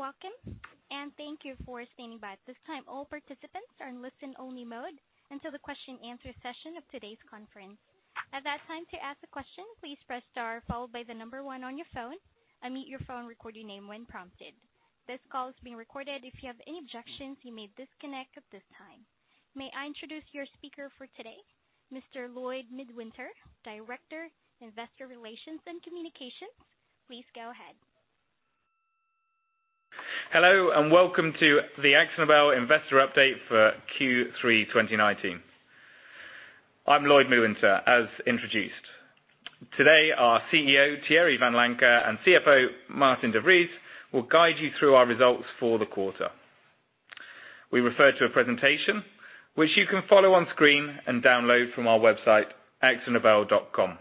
Welcome, and thank you for standing by. At this time, all participants are in listen-only mode until the question and answer session of today's conference. At that time, to ask a question, please press star followed by the number 1 on your phone. Unmute your phone, record your name when prompted. This call is being recorded. If you have any objections, you may disconnect at this time. May I introduce your speaker for today, Mr. Lloyd Midwinter, Director, Investor Relations and Communications. Please go ahead. Hello, welcome to the AkzoNobel investor update for Q3 2019. I'm Lloyd Midwinter, as introduced. Today, our CEO, Thierry Vanlancker, and CFO, Maarten de Vries, will guide you through our results for the quarter. We refer to a presentation which you can follow on screen and download from our website, akzonobel.com.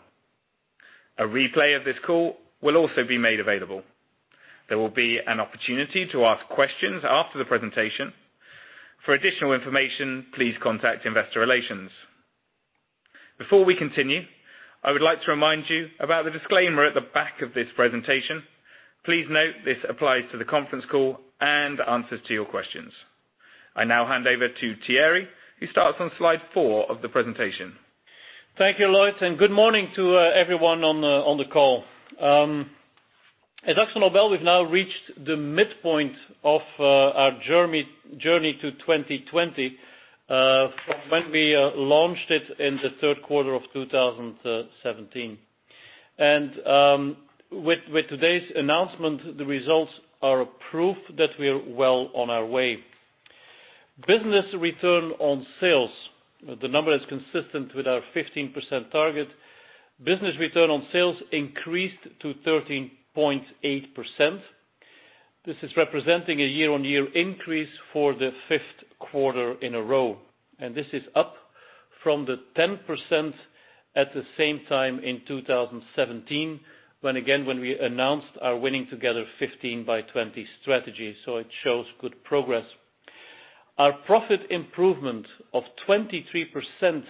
A replay of this call will also be made available. There will be an opportunity to ask questions after the presentation. For additional information, please contact investor relations. Before we continue, I would like to remind you about the disclaimer at the back of this presentation. Please note this applies to the conference call and answers to your questions. I now hand over to Thierry, who starts on slide four of the presentation. Thank you, Lloyd. Good morning to everyone on the call. At AkzoNobel, we've now reached the midpoint of our journey to 2020 from when we launched it in the third quarter of 2017. With today's announcement, the results are a proof that we're well on our way. Business Return on Sales. The number is consistent with our 15% target. Business Return on Sales increased to 13.8%. This is representing a year-on-year increase for the fifth quarter in a row, and this is up from the 10% at the same time in 2017, when we announced our Winning together: 15 by 20 strategy. It shows good progress. Our profit improvement of 23%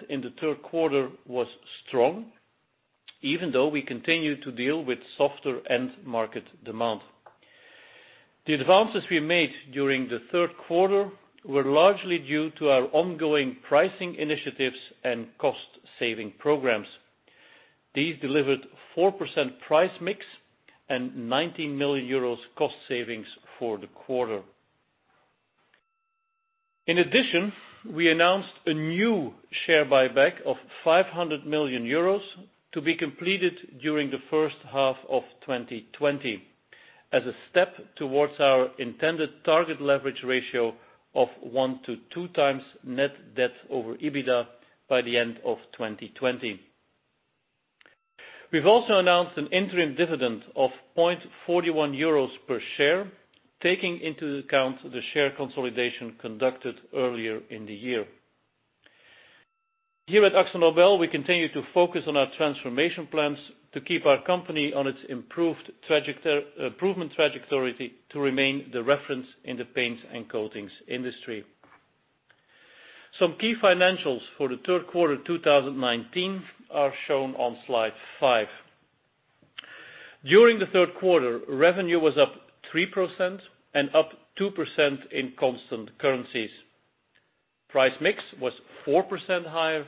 in the third quarter was strong, even though we continued to deal with softer end market demand. The advances we made during the third quarter were largely due to our ongoing pricing initiatives and cost-saving programs. These delivered 4% price mix and 19 million euros cost savings for the quarter. We announced a new share buyback of 500 million euros to be completed during the first half of 2020 as a step towards our intended target leverage ratio of 1 to 2 times net debt over EBITDA by the end of 2020. We've also announced an interim dividend of 0.41 euros per share, taking into account the share consolidation conducted earlier in the year. Here at AkzoNobel, we continue to focus on our transformation plans to keep our company on its improvement trajectory to remain the reference in the paints and coatings industry. Some key financials for the third quarter 2019 are shown on slide five. During the third quarter, revenue was up 3% and up 2% in constant currencies. Price mix was 4% higher,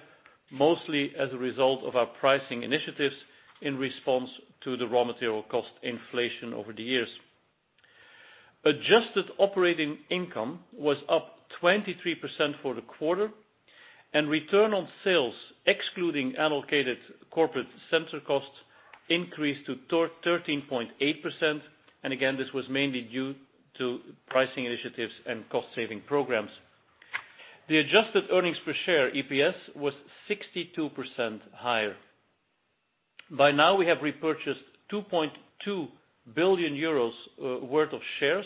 mostly as a result of our pricing initiatives in response to the raw material cost inflation over the years. Adjusted operating income was up 23% for the quarter. Return on sales, excluding allocated corporate center costs, increased to 13.8%. Again, this was mainly due to pricing initiatives and cost-saving programs. The adjusted earnings per share, EPS, was 62% higher. By now, we have repurchased 2.2 billion euros worth of shares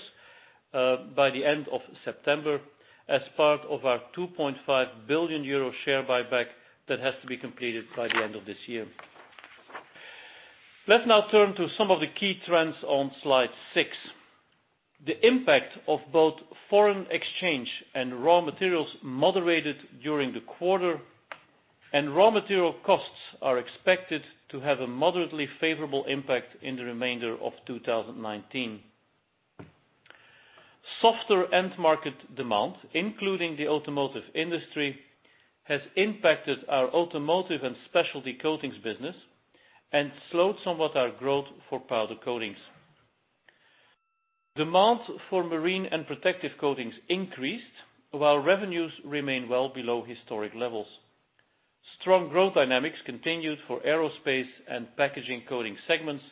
by the end of September as part of our 2.5 billion euro share buyback that has to be completed by the end of this year. Let's now turn to some of the key trends on slide six. The impact of both foreign exchange and raw materials moderated during the quarter. Raw material costs are expected to have a moderately favorable impact in the remainder of 2019. Softer end market demand, including the automotive industry, has impacted our Automotive and Specialty Coatings business and slowed somewhat our growth for Powder Coatings. Demand for Marine and Protective Coatings increased while revenues remain well below historic levels. Strong growth dynamics continued for Aerospace Coatings and Packaging Coatings segments.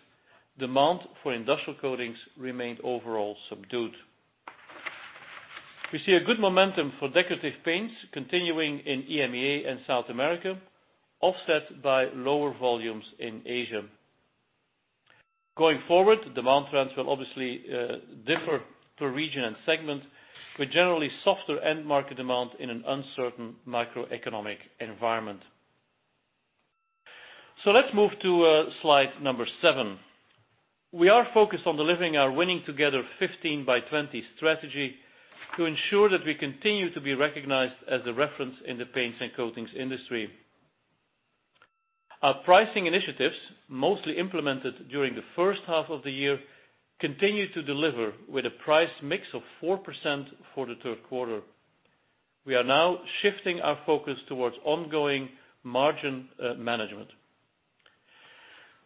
Demand for Industrial Coatings remained overall subdued. We see a good momentum for Decorative Paints continuing in EMEA and South America, offset by lower volumes in Asia. Going forward, demand trends will obviously differ per region and segment, with generally softer end market demand in an uncertain macroeconomic environment. Let's move to slide number seven. We are focused on delivering our Winning Together: 15 by 20 strategy to ensure that we continue to be recognized as the reference in the paints and coatings industry. Our pricing initiatives, mostly implemented during the first half of the year, continue to deliver with a price mix of 4% for the third quarter. We are now shifting our focus towards ongoing margin management.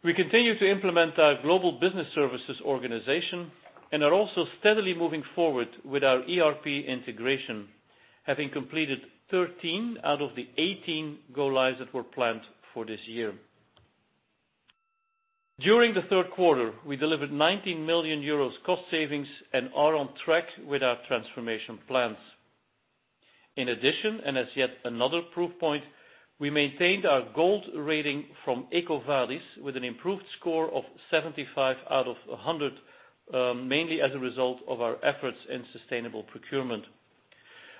We continue to implement our Global Business Services organization and are also steadily moving forward with our ERP integration, having completed 13 out of the 18 go-lives that were planned for this year. During the third quarter, we delivered 19 million euros cost savings and are on track with our transformation plans. In addition, and as yet another proof point, we maintained our gold rating from EcoVadis with an improved score of 75 out of 100, mainly as a result of our efforts in sustainable procurement.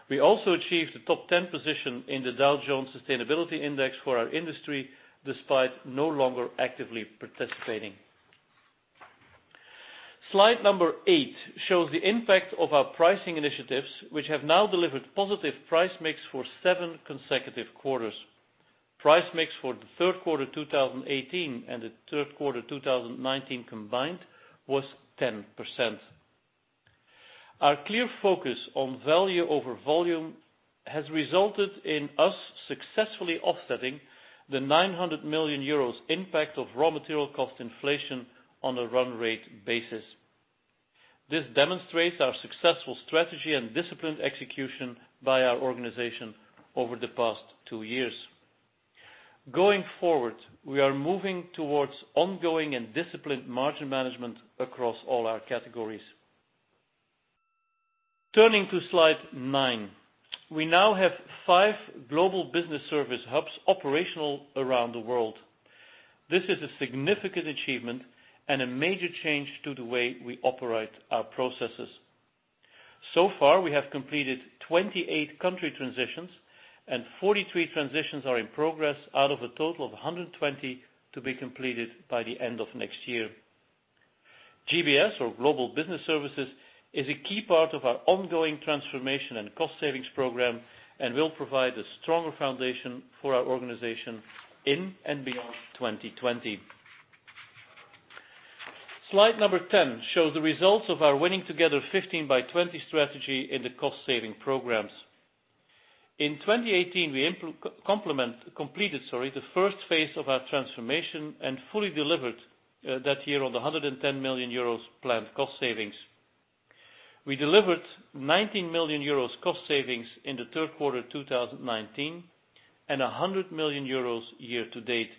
We also achieved the top 10 position in the Dow Jones Sustainability Index for our industry, despite no longer actively participating. Slide number eight shows the impact of our pricing initiatives, which have now delivered positive price mix for seven consecutive quarters. Price mix for the third quarter 2018 and the third quarter 2019 combined was 10%. Our clear focus on value over volume has resulted in us successfully offsetting the 900 million euros impact of raw material cost inflation on a run rate basis. This demonstrates our successful strategy and disciplined execution by our organization over the past two years. Going forward, we are moving towards ongoing and disciplined margin management across all our categories. Turning to slide nine. We now have five global business service hubs operational around the world. This is a significant achievement and a major change to the way we operate our processes. Far, we have completed 28 country transitions, and 43 transitions are in progress out of a total of 120 to be completed by the end of next year. GBS, or global business services, is a key part of our ongoing transformation and cost savings program and will provide a stronger foundation for our organization in and beyond 2020. Slide number 10 shows the results of our Winning together: 15 by 20 strategy in the cost-saving programs. In 2018, we completed the first phase of our transformation and fully delivered that year on the 110 million euros planned cost savings. We delivered 19 million euros cost savings in the third quarter 2019, and 100 million euros year to date,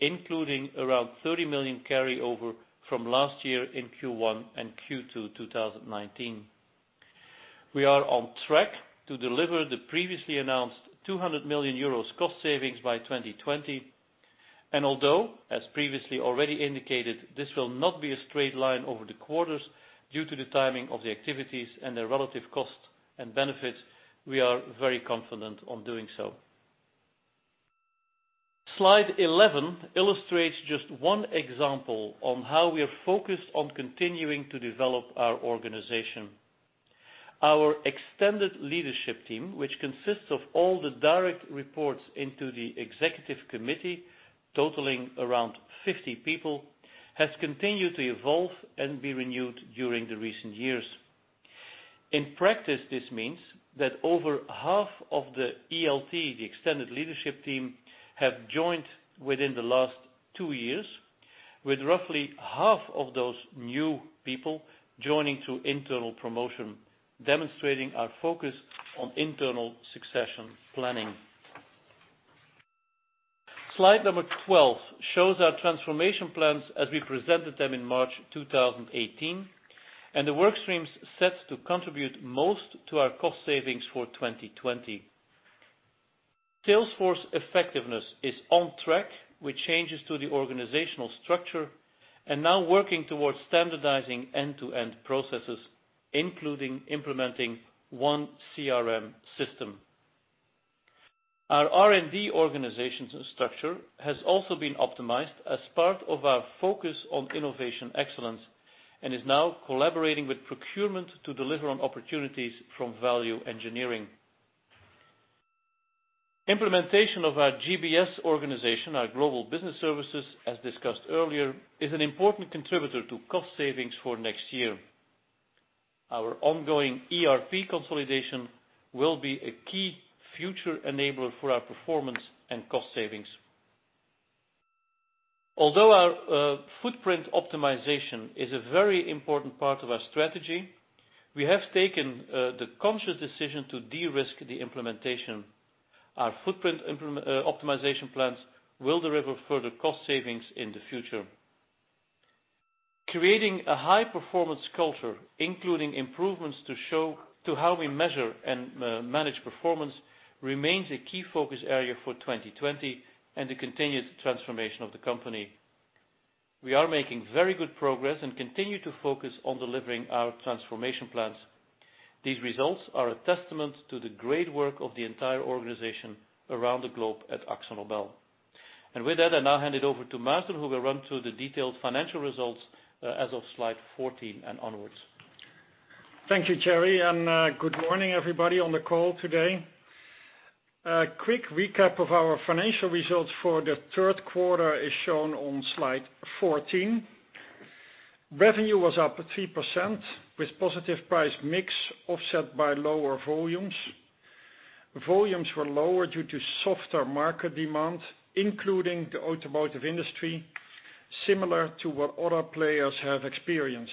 including around 30 million carryover from last year in Q1 and Q2 2019. We are on track to deliver the previously announced 200 million euros cost savings by 2020. Although, as previously already indicated, this will not be a straight line over the quarters due to the timing of the activities and their relative costs and benefits, we are very confident on doing so. Slide 11 illustrates just one example on how we are focused on continuing to develop our organization. Our extended leadership team, which consists of all the direct reports into the executive committee, totaling around 50 people, has continued to evolve and be renewed during the recent years. In practice, this means that over half of the ELT, the extended leadership team, have joined within the last 2 years, with roughly half of those new people joining through internal promotion, demonstrating our focus on internal succession planning. Slide number 12 shows our transformation plans as we presented them in March 2018, and the work streams set to contribute most to our cost savings for 2020. Sales force effectiveness is on track with changes to the organizational structure and now working towards standardizing end-to-end processes, including implementing one CRM system. Our R&D organization structure has also been optimized as part of our focus on innovation excellence and is now collaborating with procurement to deliver on opportunities from value engineering. Implementation of our GBS organization, our global business services, as discussed earlier, is an important contributor to cost savings for next year. Our ongoing ERP consolidation will be a key future enabler for our performance and cost savings. Although our footprint optimization is a very important part of our strategy, we have taken the conscious decision to de-risk the implementation. Our footprint optimization plans will deliver further cost savings in the future. Creating a high-performance culture, including improvements to how we measure and manage performance, remains a key focus area for 2020 and the continued transformation of the company. We are making very good progress and continue to focus on delivering our transformation plans. These results are a testament to the great work of the entire organization around the globe at AkzoNobel. With that, I now hand it over to Maarten, who will run through the detailed financial results as of slide 14 and onwards. Thank you, Thierry, and good morning everybody on the call today. A quick recap of our financial results for the third quarter is shown on slide 14. Revenue was up 3%, with positive price mix offset by lower volumes. Volumes were lower due to softer market demand, including the automotive industry, similar to what other players have experienced.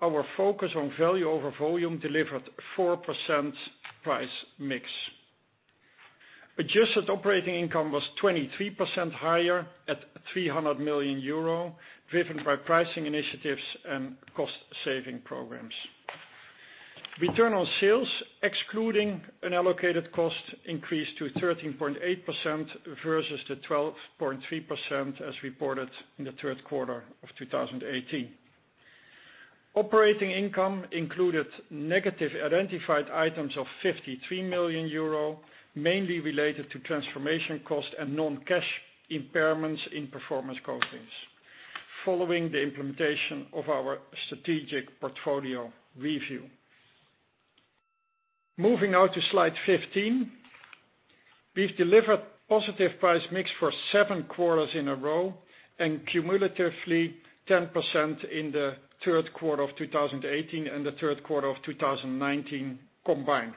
Our focus on value over volume delivered 4% price mix. Adjusted operating income was 23% higher at 300 million euro, driven by pricing initiatives and cost-saving programs. Return on sales, excluding an allocated cost increase to 13.8% versus the 12.3% as reported in the third quarter of 2018. Operating income included negative identified items of 53 million euro, mainly related to transformation cost and non-cash impairments in Performance Coatings, following the implementation of our strategic portfolio review. Moving now to slide 15. We've delivered positive price mix for seven quarters in a row and cumulatively 10% in the third quarter of 2018 and the third quarter of 2019 combined.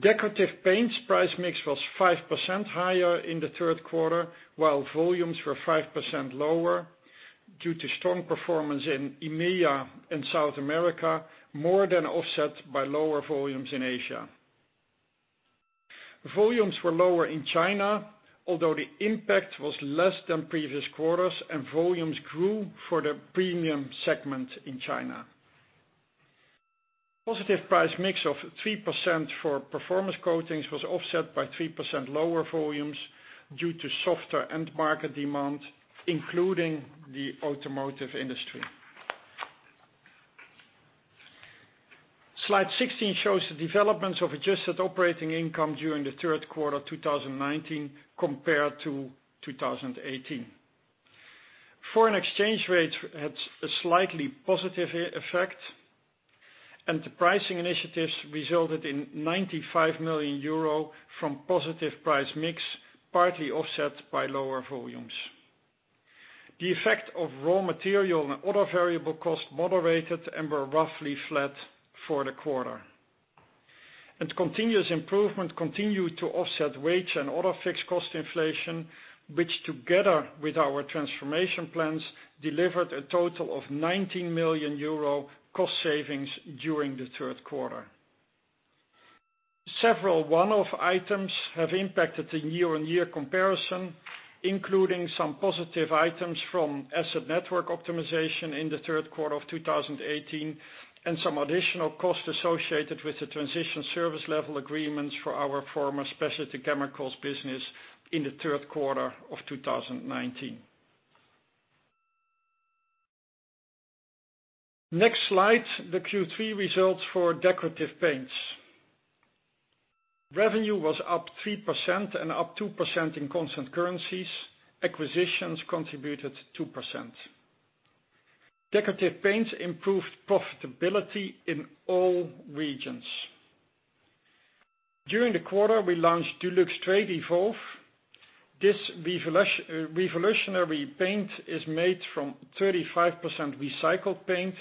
Decorative Paints price mix was 5% higher in the third quarter, while volumes were 5% lower due to strong performance in EMEA and South America, more than offset by lower volumes in Asia. Volumes were lower in China, although the impact was less than previous quarters and volumes grew for the premium segment in China. Positive price mix of 3% for Performance Coatings was offset by 3% lower volumes due to softer end market demand, including the automotive industry. Slide 16 shows the developments of adjusted operating income during the third quarter 2019 compared to 2018. Foreign exchange rates had a slightly positive effect, and the pricing initiatives resulted in 95 million euro from positive price mix, partly offset by lower volumes. The effect of raw material and other variable costs moderated and were roughly flat for the quarter. Its continuous improvement continued to offset wage and other fixed cost inflation, which together with our transformation plans, delivered a total of 19 million euro cost savings during the third quarter. Several one-off items have impacted the year-over-year comparison, including some positive items from asset network optimization in the third quarter of 2018 and some additional costs associated with the Transition Service Agreements for our former Specialty Chemicals business in the third quarter of 2019. Next slide, the Q3 results for Decorative Paints. Revenue was up 3% and up 2% in constant currencies. Acquisitions contributed 2%. Decorative Paints improved profitability in all regions. During the quarter, we launched Dulux Trade Evolve. This revolutionary paint is made from 35% recycled paint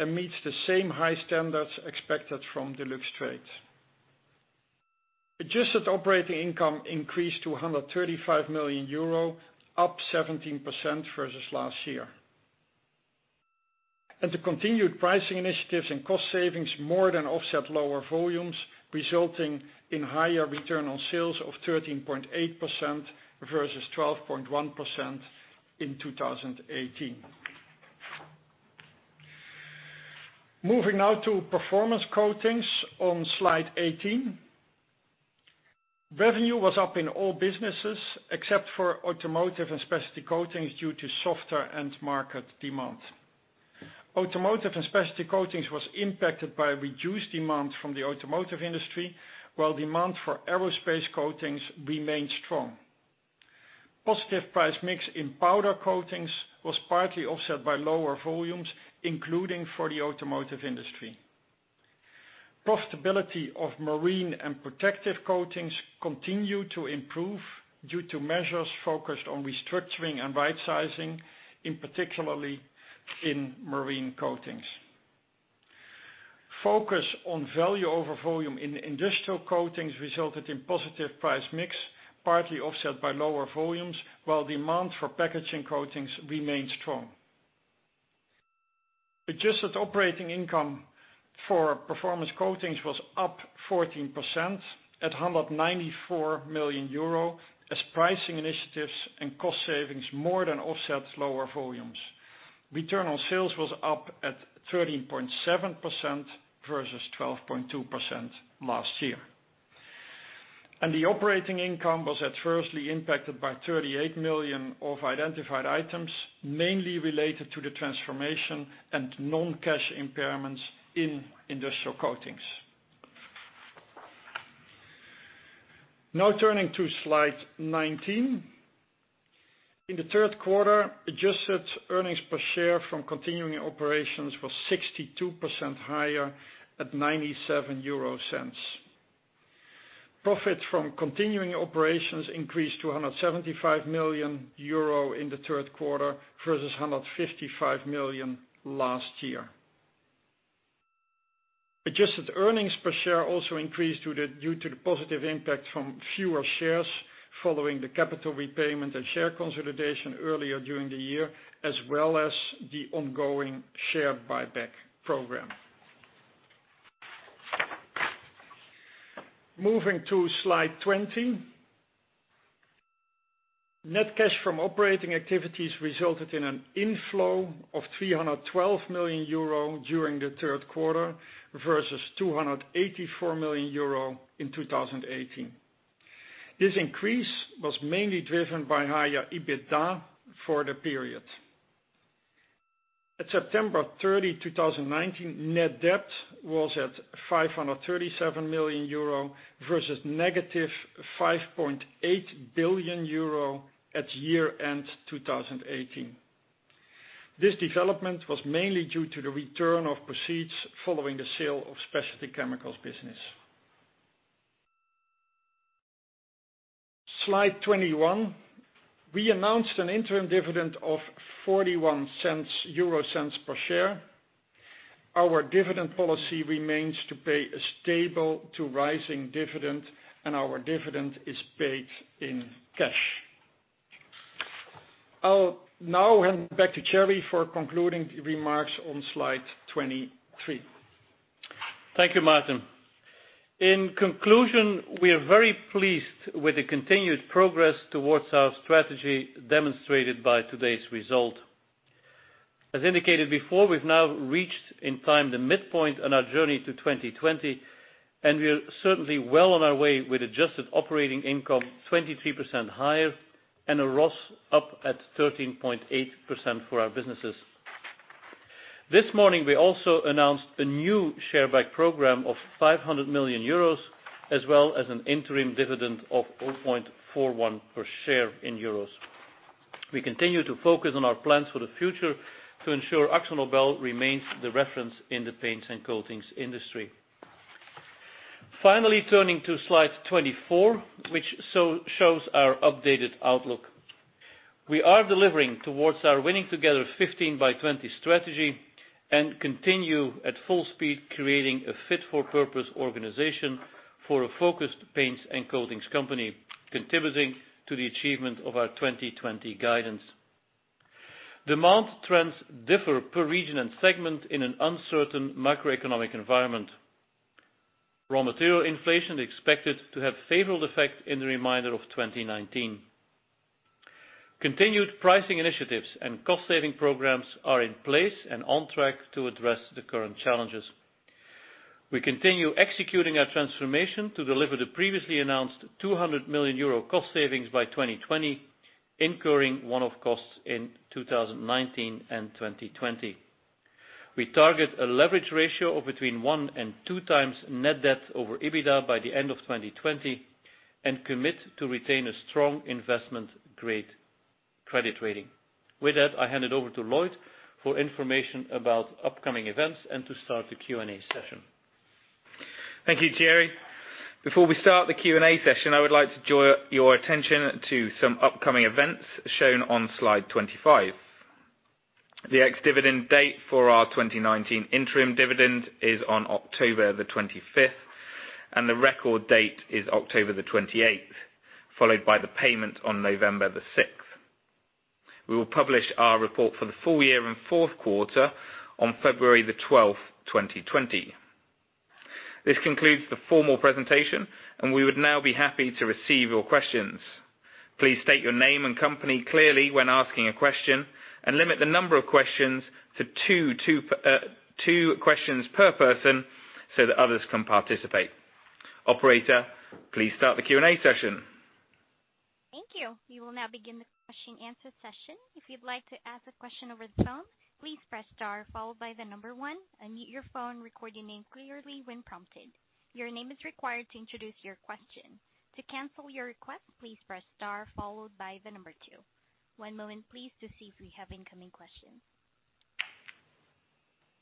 and meets the same high standards expected from Dulux Trade. Adjusted operating income increased to 135 million euro, up 17% versus last year. The continued pricing initiatives and cost savings more than offset lower volumes, resulting in higher return on sales of 13.8% versus 12.1% in 2018. Moving now to Performance Coatings on slide 18. Revenue was up in all businesses except for Automotive and Specialty Coatings due to softer end market demand. Automotive and Specialty Coatings was impacted by reduced demand from the automotive industry, while demand for Aerospace Coatings remained strong. Positive price mix in Powder Coatings was partly offset by lower volumes, including for the automotive industry. Profitability of Marine and Protective Coatings continued to improve due to measures focused on restructuring and rightsizing, in particularly in marine coatings. Focus on value over volume in Industrial Coatings resulted in positive price mix, partly offset by lower volumes, while demand for Packaging Coatings remained strong. Adjusted operating income for Performance Coatings was up 14% at 194 million euro, as pricing initiatives and cost savings more than offset lower volumes. Return on sales was up at 13.7% versus 12.2% last year. The operating income was adversely impacted by 38 million of identified items, mainly related to the transformation and non-cash impairments in Industrial Coatings. Now turning to slide 19. In the third quarter, adjusted earnings per share from continuing operations were 62% higher at 0.97. Profit from continuing operations increased to 175 million euro in the third quarter versus 155 million last year. Adjusted earnings per share also increased due to the positive impact from fewer shares following the capital repayment and share consolidation earlier during the year, as well as the ongoing share buyback program. Moving to slide 20. Net cash from operating activities resulted in an inflow of 312 million euro during the third quarter versus 284 million euro in 2018. This increase was mainly driven by higher EBITDA for the period. At September 30, 2019, net debt was at 537 million euro versus negative 5.8 billion euro at year-end 2018. This development was mainly due to the return of proceeds following the sale of Specialty Chemicals business. Slide 21, we announced an interim dividend of 0.41 per share. Our dividend policy remains to pay a stable to rising dividend, and our dividend is paid in cash. I'll now hand back to Thierry for concluding remarks on slide 23. Thank you, Maarten. In conclusion, we are very pleased with the continued progress towards our strategy demonstrated by today's result. As indicated before, we've now reached in time the midpoint on our journey to 2020, and we are certainly well on our way with adjusted operating income 23% higher and a ROS up at 13.8% for our businesses. This morning we also announced a new share buy program of 500 million euros, as well as an interim dividend of 0.41 per share. We continue to focus on our plans for the future to ensure AkzoNobel remains the reference in the paints and coatings industry. Finally turning to slide 24, which shows our updated outlook. We are delivering towards our Winning together: 15 by 20 strategy and continue at full speed, creating a fit-for-purpose organization for a focused paints and coatings company, contributing to the achievement of our 2020 guidance. Demand trends differ per region and segment in an uncertain macroeconomic environment. Raw material inflation expected to have favorable effect in the remainder of 2019. Continued pricing initiatives and cost-saving programs are in place and on track to address the current challenges. We continue executing our transformation to deliver the previously announced 200 million euro cost savings by 2020, incurring one-off costs in 2019 and 2020. We target a leverage ratio of between 1 and 2 times net debt over EBITDA by the end of 2020 and commit to retain a strong investment-grade credit rating. With that, I hand it over to Lloyd for information about upcoming events and to start the Q&A session. Thank you, Thierry. Before we start the Q&A session, I would like to draw your attention to some upcoming events shown on slide 25. The ex-dividend date for our 2019 interim dividend is on October the 25th, and the record date is October the 28th, followed by the payment on November the 6th. We will publish our report for the full year and fourth quarter on February the 12th, 2020. This concludes the formal presentation, and we would now be happy to receive your questions. Please state your name and company clearly when asking a question, and limit the number of questions to two questions per person so that others can participate. Operator, please start the Q&A session. Thank you. We will now begin the question and answer session. If you'd like to ask a question over the phone, please press star followed by the number one. Unmute your phone and record your name clearly when prompted. Your name is required to introduce your question. To cancel your request, please press star followed by the number two. One moment, please, to see if we have incoming questions.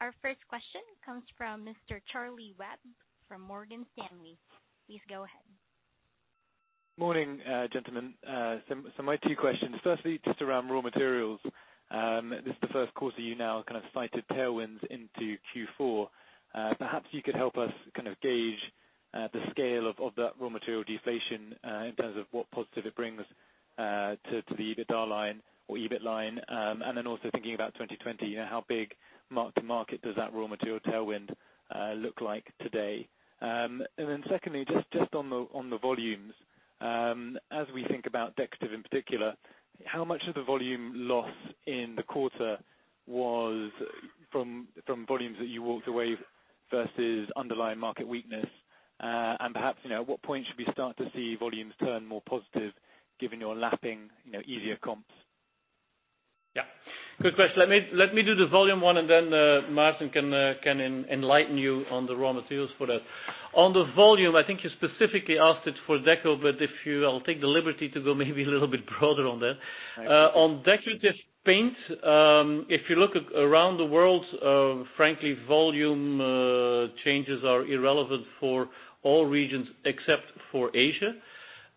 Our first question comes from Mr. Charlie Webb from Morgan Stanley. Please go ahead. Morning, gentlemen. My two questions. Firstly, just around raw materials. This is the first quarter you now cited tailwinds into Q4. Perhaps you could help us gauge the scale of that raw material deflation in terms of what positive it brings to the EBITDA line or EBIT line. Also thinking about 2020, how big mark-to-market does that raw material tailwind look like today? Secondly, just on the volumes. As we think about Decorative in particular, how much of the volume loss in the quarter was from volumes that you walked away versus underlying market weakness? Perhaps, at what point should we start to see volumes turn more positive given your lapping easier comps? Yeah. Good question. Let me do the volume one, and then Maarten can enlighten you on the raw materials for that. On the volume, I think you specifically asked it for Deco, but I'll take the liberty to go maybe a little bit broader on that. On decorative paint, if you look around the world, frankly, volume changes are irrelevant for all regions except for Asia.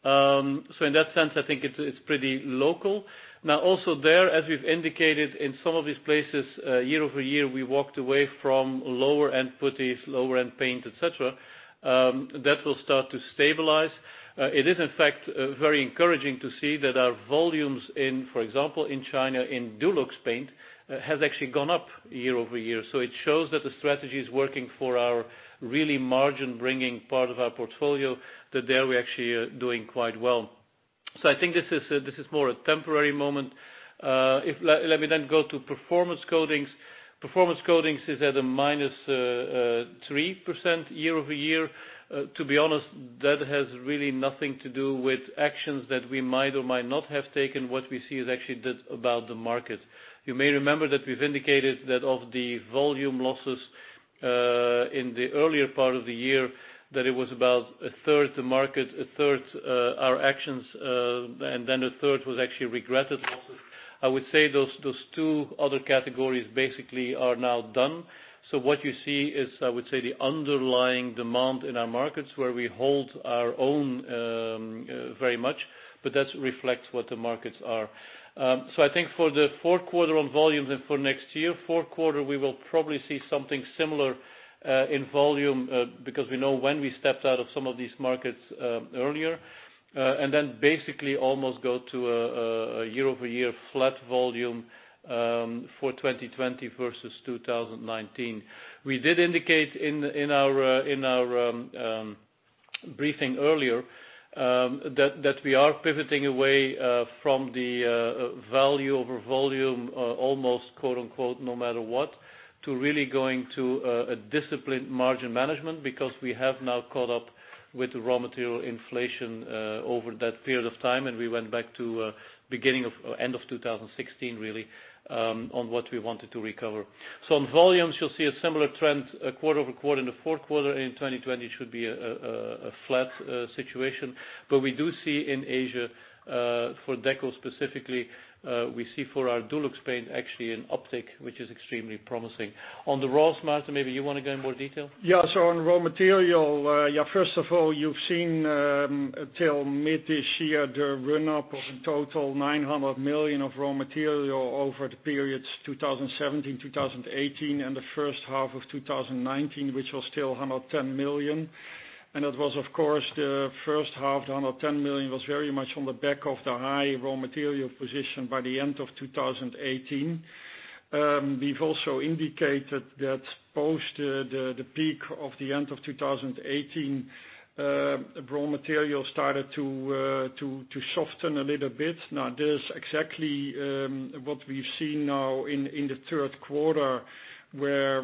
In that sense, I think it's pretty local. Now, also there, as we've indicated in some of these places, year-over-year, we walked away from lower-end putties, lower-end paint, et cetera. That will start to stabilize. It is, in fact, very encouraging to see that our volumes, for example, in China, in Dulux paint, has actually gone up year-over-year. It shows that the strategy is working for our really margin-bringing part of our portfolio, that there we actually are doing quite well. I think this is more a temporary moment. Let me go to Performance Coatings. Performance Coatings is at a minus 3% year-over-year. To be honest, that has really nothing to do with actions that we might or might not have taken. What we see is actually about the market. You may remember that we've indicated that of the volume losses in the earlier part of the year, that it was about a third to market, a third our actions, and a third was actually regretted losses. I would say those two other categories basically are now done. What you see is, I would say, the underlying demand in our markets where we hold our own very much, but that reflects what the markets are. I think for the fourth quarter on volumes and for next year, fourth quarter, we will probably see something similar in volume because we know when we stepped out of some of these markets earlier. Basically almost go to a year-over-year flat volume, for 2020 versus 2019. We did indicate in our briefing earlier, that we are pivoting away from the value over volume, almost "no matter what" to really going to a disciplined margin management because we have now caught up with raw material inflation over that period of time, and we went back to end of 2016, really, on what we wanted to recover. On volumes, you'll see a similar trend quarter-over-quarter in the fourth quarter. In 2020, it should be a flat situation. We do see in Asia, for Deco specifically, we see for our Dulux paint actually an uptick, which is extremely promising. On the raws, Maarten, maybe you want to go in more detail? On raw material, first of all, you've seen until mid this year, the run-up of a total 900 million of raw material over the periods 2017, 2018, and the first half of 2019, which was still 110 million. It was, of course, the first half, the 110 million was very much on the back of the high raw material position by the end of 2018. We've also indicated that post the peak of the end of 2018, raw material started to soften a little bit. This is exactly what we've seen now in the third quarter, where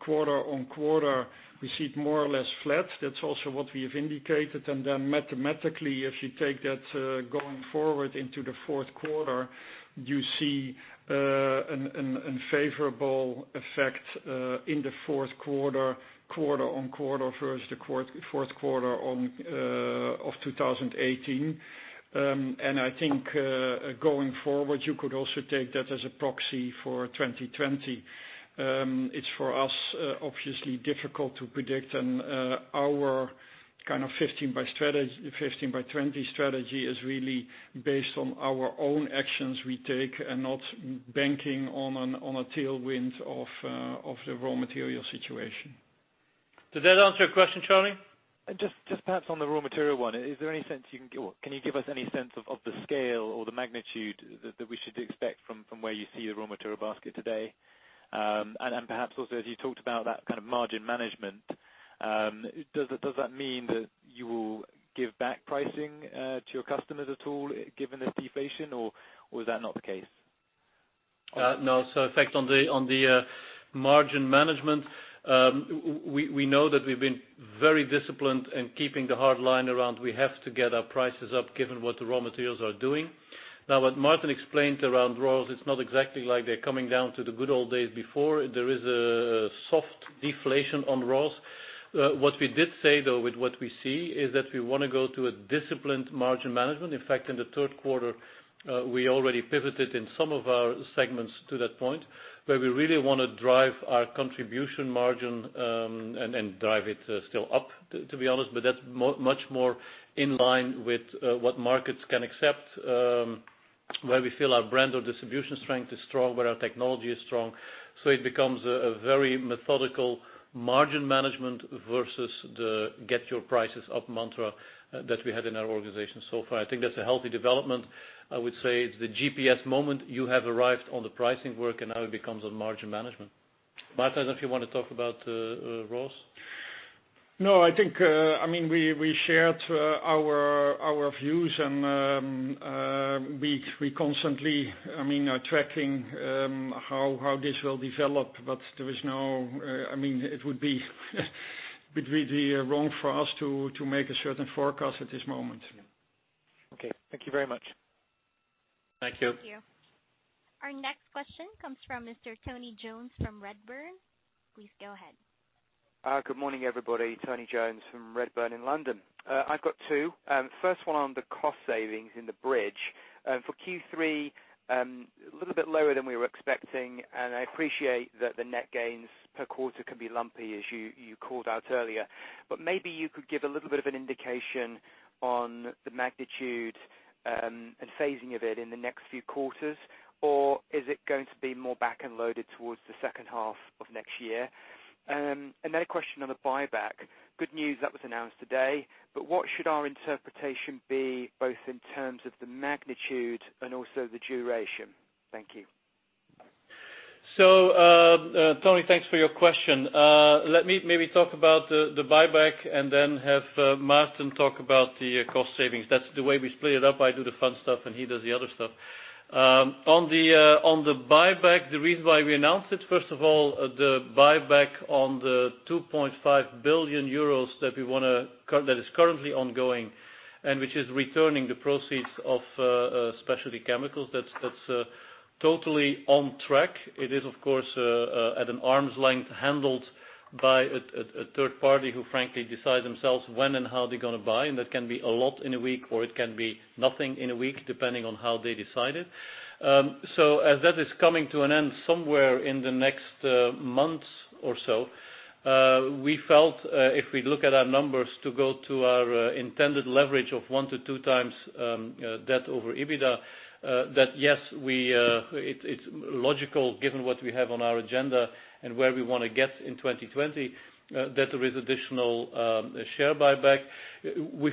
quarter-on-quarter, we see it more or less flat. That's also what we have indicated. Mathematically, if you take that going forward into the fourth quarter, you see an unfavorable effect in the fourth quarter-on-quarter versus the fourth quarter of 2018. I think going forward, you could also take that as a proxy for 2020. It's for us, obviously difficult to predict and our kind of 15 by 20 strategy is really based on our own actions we take and not banking on a tailwind of the raw material situation. Did that answer your question, Charlie? Just perhaps on the raw material one, can you give us any sense of the scale or the magnitude that we should expect from where you see the raw material basket today? Perhaps also, as you talked about that kind of margin management, does that mean that you will give back pricing to your customers at all given this deflation, or was that not the case? No. In fact, on the margin management, we know that we've been very disciplined in keeping the hard line around we have to get our prices up given what the raw materials are doing. What Maarten explained around raws, it's not exactly like they're coming down to the good old days before. There is a soft deflation on raws. What we did say, though, with what we see is that we want to go to a disciplined margin management. In fact, in the third quarter, we already pivoted in some of our segments to that point where we really want to drive our contribution margin, and drive it still up, to be honest. That's much more in line with what markets can accept, where we feel our brand or distribution strength is strong, where our technology is strong. It becomes a very methodical margin management versus the get your prices up mantra that we had in our organization so far. I think that's a healthy development. I would say it's the GPS moment. You have arrived on the pricing work and now it becomes a margin management. Maarten, I don't know if you want to talk about raws? No, I think we shared our views and we constantly are tracking how this will develop, but it would be. It'd be wrong for us to make a certain forecast at this moment. Okay. Thank you very much. Thank you. Thank you. Our next question comes from Mr. Tony Jones from Redburn. Please go ahead. Good morning, everybody. Tony Jones from Redburn in London. I've got two. First one on the cost savings in the bridge. For Q3, a little bit lower than we were expecting. I appreciate that the net gains per quarter can be lumpy, as you called out earlier. Maybe you could give a little bit of an indication on the magnitude and phasing of it in the next few quarters, or is it going to be more back-end loaded towards the second half of next year? Another question on the buyback. Good news that was announced today. What should our interpretation be, both in terms of the magnitude and also the duration? Thank you. Tony, thanks for your question. Let me maybe talk about the buyback and then have Maarten talk about the cost savings. That's the way we split it up. I do the fun stuff, and he does the other stuff. On the buyback, the reason why we announced it, first of all, the buyback on the 2.5 billion euros that is currently ongoing and which is returning the proceeds of Specialty Chemicals, that's totally on track. It is, of course, at an arm's length, handled by a third party who frankly decide themselves when and how they're going to buy, and that can be a lot in a week, or it can be nothing in a week, depending on how they decide it. As that is coming to an end somewhere in the next month or so, we felt, if we look at our numbers, to go to our intended leverage of one to two times debt over EBITDA, that yes, it's logical given what we have on our agenda and where we want to get in 2020, that there is additional share buyback. The EUR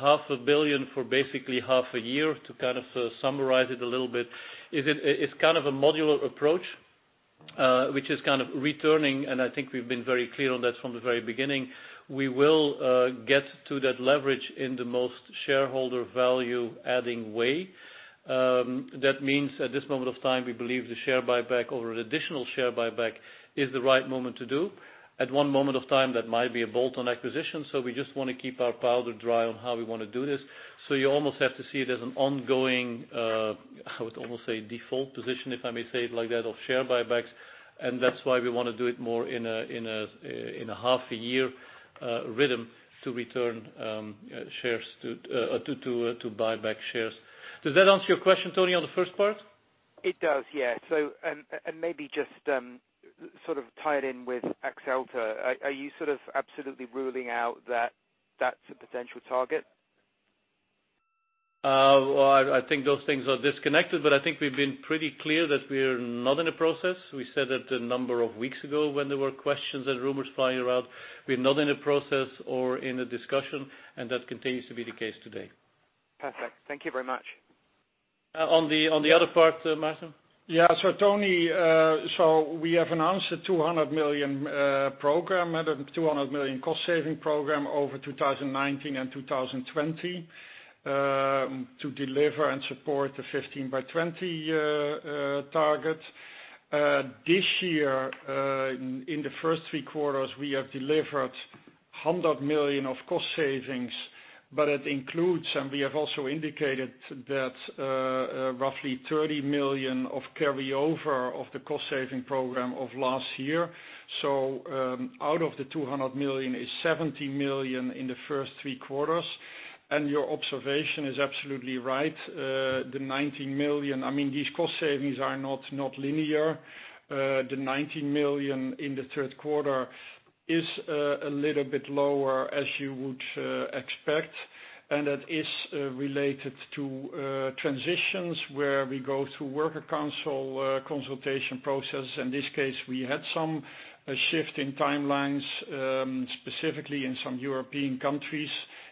half a billion for basically half a year, to kind of summarize it a little bit, it's kind of a modular approach, which is kind of returning, and I think we've been very clear on that from the very beginning. We will get to that leverage in the most shareholder value adding way. That means at this moment of time, we believe the share buyback or an additional share buyback is the right moment to do. At one moment of time, that might be a bolt-on acquisition, we just want to keep our powder dry on how we want to do this. You almost have to see it as an ongoing, I would almost say default position, if I may say it like that, of share buybacks, and that's why we want to do it more in a half a year rhythm to buy back shares. Does that answer your question, Tony, on the first part? It does, yeah. Maybe just sort of tie it in with Axalta. Are you sort of absolutely ruling out that that's a potential target? Well, I think those things are disconnected, but I think we've been pretty clear that we're not in a process. We said that a number of weeks ago when there were questions and rumors flying around. We're not in a process or in a discussion. That continues to be the case today. Perfect. Thank you very much. On the other part, Maarten? Tony, we have announced a 200 million cost saving program over 2019 and 2020, to deliver and support the 15 by 20 target. This year, in the first three quarters, we have delivered 100 million of cost savings, but it includes, and we have also indicated that roughly 30 million of carryover of the cost saving program of last year. Out of the 200 million is 70 million in the first three quarters. Your observation is absolutely right. The 19 million, I mean these cost savings are not linear. The 19 million in the third quarter is a little bit lower, as you would expect, and that is related to transitions where we go through worker council consultation process. In this case, we had some shift in timelines, specifically in some European countries.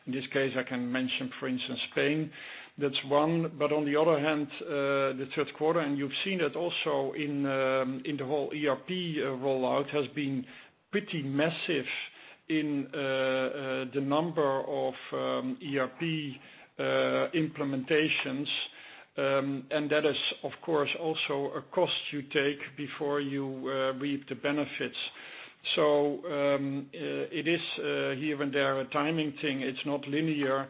In this case, I can mention, for instance, Spain. That's one. On the other hand, the third quarter, and you've seen it also in the whole ERP rollout, has been pretty massive in the number of ERP implementations. That is, of course, also a cost you take before you reap the benefits. It is here and there a timing thing. It's not linear,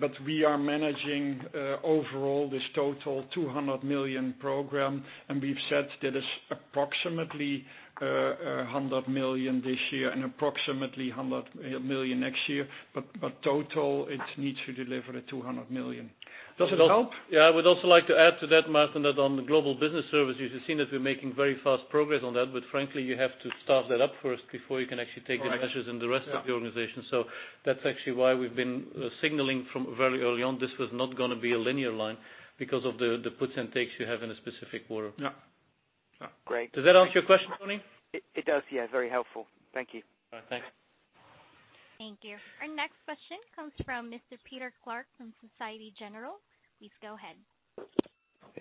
but we are managing overall this total 200 million program, and we've said that it's approximately 100 million this year and approximately 100 million next year. Total, it needs to deliver at 200 million. Does it help? Yeah, I would also like to add to that, Maarten, that on the global business services, you've seen that we're making very fast progress on that, but frankly, you have to start that up first before you can actually take the measures in the rest of the organization. That's actually why we've been signaling from very early on this was not going to be a linear line because of the puts and takes you have in a specific quarter. Yeah. Great. Does that answer your question, Tony? It does, yeah. Very helpful. Thank you. All right. Thanks. Thank you. Our next question comes from Mr. Peter Clark from Societe Generale. Please go ahead.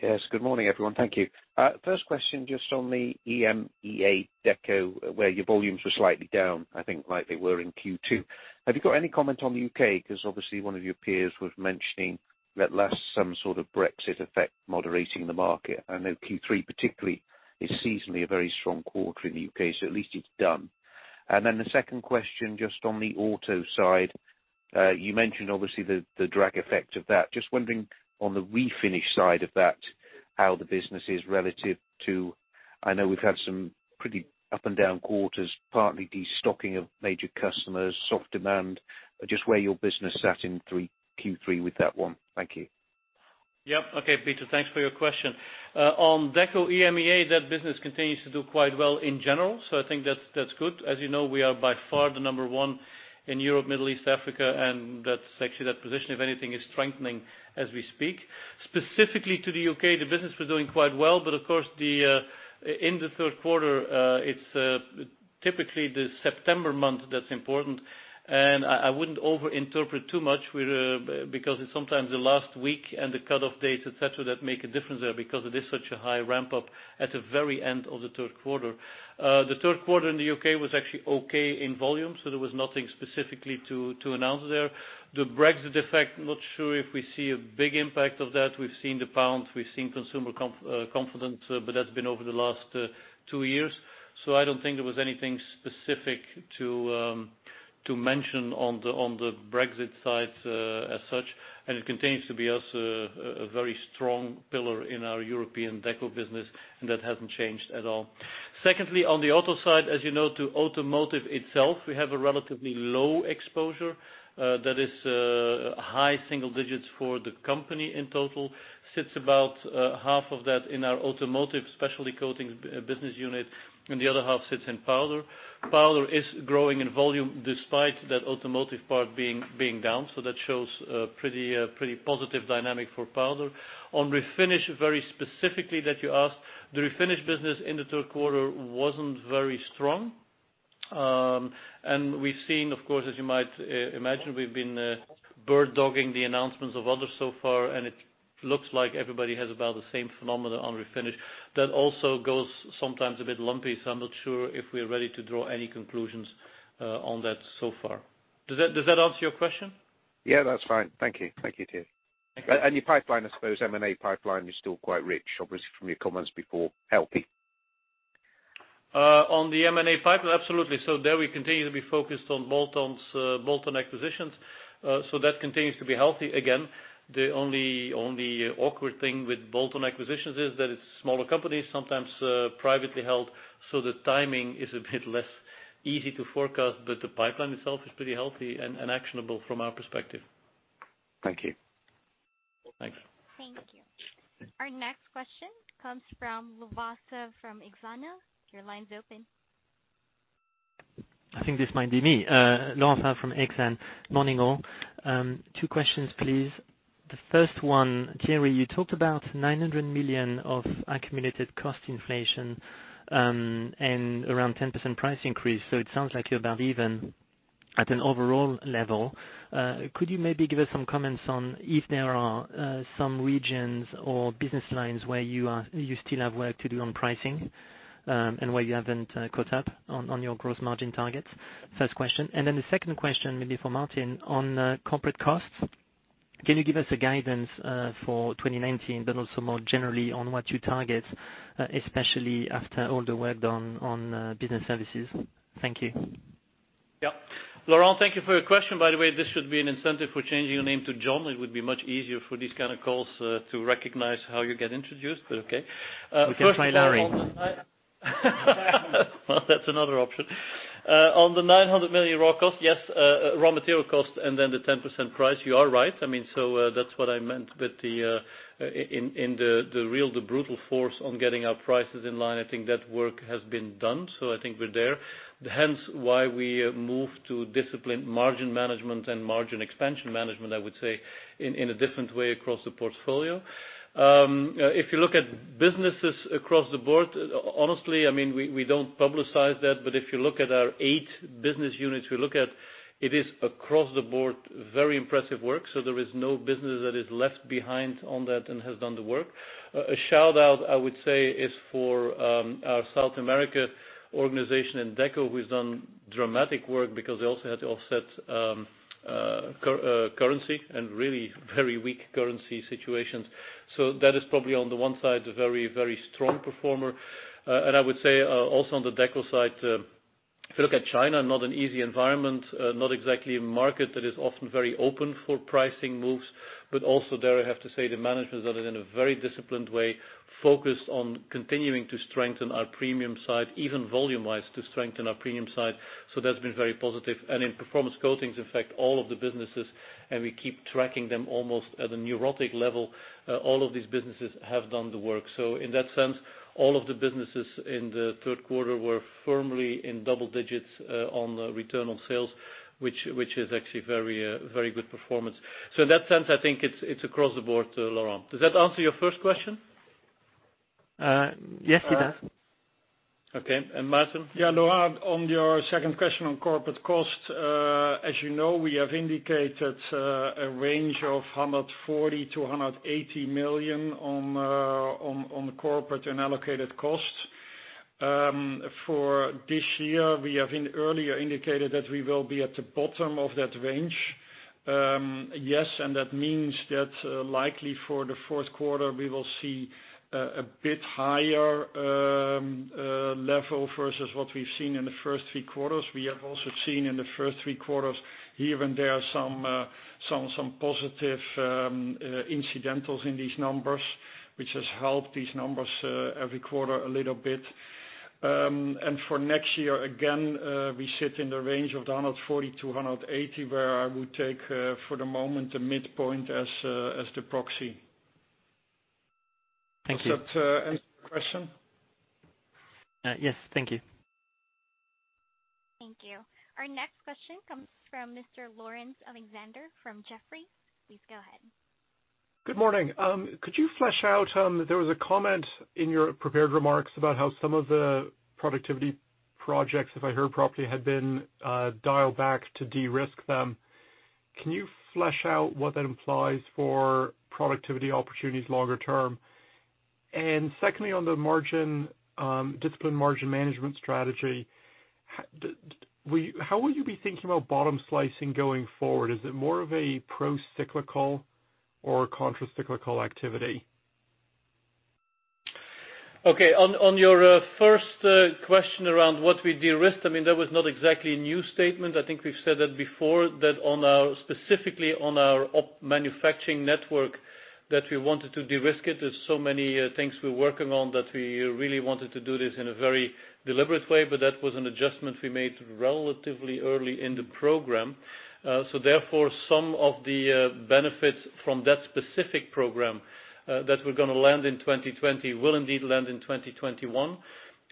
Yes, good morning, everyone. Thank you. First question, just on the EMEA Deco, where your volumes were slightly down, I think like they were in Q2. Have you got any comment on the U.K.? Obviously one of your peers was mentioning that some sort of Brexit effect moderating the market. I know Q3 particularly is seasonally a very strong quarter in the U.K., at least it's done. The second question, just on the auto side. You mentioned, obviously, the drag effect of that. Just wondering on the refinish side of that, how the business is relative to, I know we've had some pretty up and down quarters, partly destocking of major customers, soft demand, but just where your business sat in Q3 with that one. Thank you. Yep. Okay, Peter, thanks for your question. On Deco EMEA, that business continues to do quite well in general. I think that's good. As you know, we are by far the number one in Europe, Middle East, Africa. Actually that position, if anything, is strengthening as we speak. Specifically to the U.K., the business was doing quite well. Of course in the third quarter, it's typically the September month that's important. I wouldn't over-interpret too much because it's sometimes the last week and the cutoff dates, et cetera, that make a difference there because it is such a high ramp-up at the very end of the third quarter. The third quarter in the U.K. was actually okay in volume. There was nothing specifically to announce there. The Brexit effect, not sure if we see a big impact of that. We've seen the pound, we've seen consumer confidence. That's been over the last two years. I don't think there was anything specific to mention on the Brexit side as such. It continues to be a very strong pillar in our European Deco business. That hasn't changed at all. Secondly, on the auto side, as you know, to automotive itself, we have a relatively low exposure that is high single digits for the company in total. Sits about half of that in our Automotive Specialty Coatings business unit. The other half sits in Powder. Powder is growing in volume despite that automotive part being down. That shows a pretty positive dynamic for Powder. On refinish, very specifically that you asked, the refinish business in the third quarter wasn't very strong. We've seen, of course, as you might imagine, we've been bird-dogging the announcements of others so far, and it looks like everybody has about the same phenomena on refinish. That also goes sometimes a bit lumpy, so I'm not sure if we are ready to draw any conclusions on that so far. Does that answer your question? Yeah, that's fine. Thank you. Thank you, Thierry. Thank you. Your pipeline, I suppose M&A pipeline is still quite rich, obviously from your comments before, healthy. On the M&A pipeline, absolutely. There we continue to be focused on bolt-on acquisitions. That continues to be healthy. Again, the only awkward thing with bolt-on acquisitions is that it's smaller companies, sometimes privately held, so the timing is a bit less easy to forecast. The pipeline itself is pretty healthy and actionable from our perspective. Thank you. Thanks. Thank you. Our next question comes from Laurent from Exane. Your line's open. I think this might be me. Laurent from Exane. Morning, all. Two questions, please. The first one, Thierry, you talked about 900 million of accumulated cost inflation, around 10% price increase. It sounds like you're about even at an overall level. Could you maybe give us some comments on if there are some regions or business lines where you still have work to do on pricing, and where you haven't caught up on your gross margin targets? First question. The second question maybe for Maarten on corporate costs. Can you give us a guidance for 2019, also more generally on what you target, especially after all the work done on business services? Thank you. Yep. Laurent, thank you for your question. By the way, this should be an incentive for changing your name to John. It would be much easier for these kind of calls to recognize how you get introduced, but okay. We can try Larry. Well, that's another option. On the 900 million raw cost, yes, raw material cost and then the 10% price, you are right. That's what I meant with the real, the brutal force on getting our prices in line. I think that work has been done, so I think we're there. Hence why we move to disciplined margin management and margin expansion management, I would say, in a different way across the portfolio. If you look at businesses across the board, honestly, we don't publicize that, but if you look at our eight business units, we look at, it is across the board, very impressive work. There is no business that is left behind on that and has done the work. A shout-out, I would say, is for our South America organization in Deco, who's done dramatic work because they also had to offset currency and really very weak currency situations. That is probably on the one side, a very strong performer. I would say also on the Deco side, if you look at China, not an easy environment, not exactly a market that is often very open for pricing moves, but also there I have to say, the management that is in a very disciplined way focused on continuing to strengthen our premium side, even volume-wise, to strengthen our premium side. That's been very positive. In Performance Coatings, in fact, all of the businesses, and we keep tracking them almost at a neurotic level, all of these businesses have done the work. In that sense, all of the businesses in the third quarter were firmly in double digits on return on sales, which is actually very good performance. In that sense, I think it's across the board, Laurent. Does that answer your first question? Yes, it does. Okay. Maarten? Laurent, on your second question on corporate cost, as you know, we have indicated a range of 140 million-180 million on corporate unallocated costs. For this year, we have earlier indicated that we will be at the bottom of that range. Yes, that means that likely for the fourth quarter, we will see a bit higher level versus what we've seen in the first three quarters. We have also seen in the first three quarters, here and there some positive incidentals in these numbers, which has helped these numbers every quarter a little bit. For next year, again, we sit in the range of the 140-180, where I would take for the moment, the midpoint as the proxy. Thank you. Does that answer your question? Yes. Thank you. Thank you. Our next question comes from Mr. Laurence Alexander from Jefferies. Please go ahead. Good morning. Could you flesh out, there was a comment in your prepared remarks about how some of the productivity projects, if I heard properly, had been dialed back to de-risk them. Can you flesh out what that implies for productivity opportunities longer term? Secondly, on the discipline margin management strategy, how will you be thinking about bottom slicing going forward? Is it more of a pro-cyclical or a contra-cyclical activity? Okay. On your first question around what we de-risked. That was not exactly a new statement. I think we've said that before, that specifically on our op manufacturing network, that we wanted to de-risk it. There's many things we're working on that we really wanted to do this in a very deliberate way, but that was an adjustment we made relatively early in the program. Therefore, some of the benefits from that specific program that were going to land in 2020 will indeed land in 2021.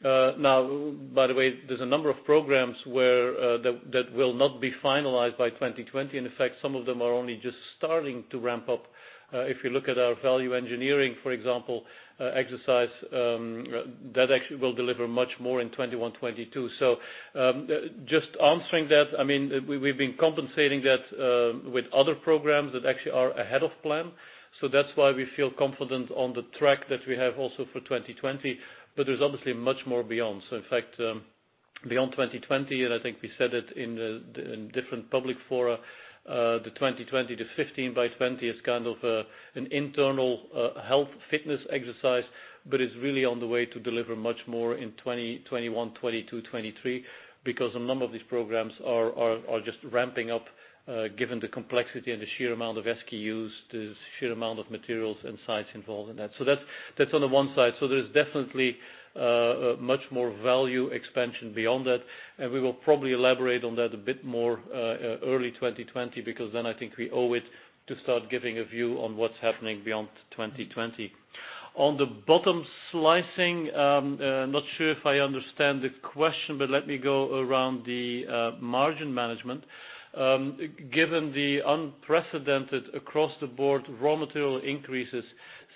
By the way, there's a number of programs that will not be finalized by 2020. In fact, some of them are only just starting to ramp up. If you look at our value engineering, for example, exercise, that actually will deliver much more in 2021, 2022. Just answering that, we've been compensating that with other programs that actually are ahead of plan. That's why we feel confident on the track that we have also for 2020, but there's obviously much more beyond. In fact, beyond 2020, and I think we said it in different public fora, the Winning together: 15 by 20 is kind of an internal health fitness exercise, but is really on the way to deliver much more in 2021, 2022, 2023 because a number of these programs are just ramping up given the complexity and the sheer amount of SKUs, the sheer amount of materials and sites involved in that. That's on the one side. There's definitely much more value expansion beyond that, and we will probably elaborate on that a bit more early 2020, because then I think we owe it to start giving a view on what's happening beyond 2020. On the bottom slicing, I'm not sure if I understand the question, but let me go around the margin management. Given the unprecedented across the board raw material increases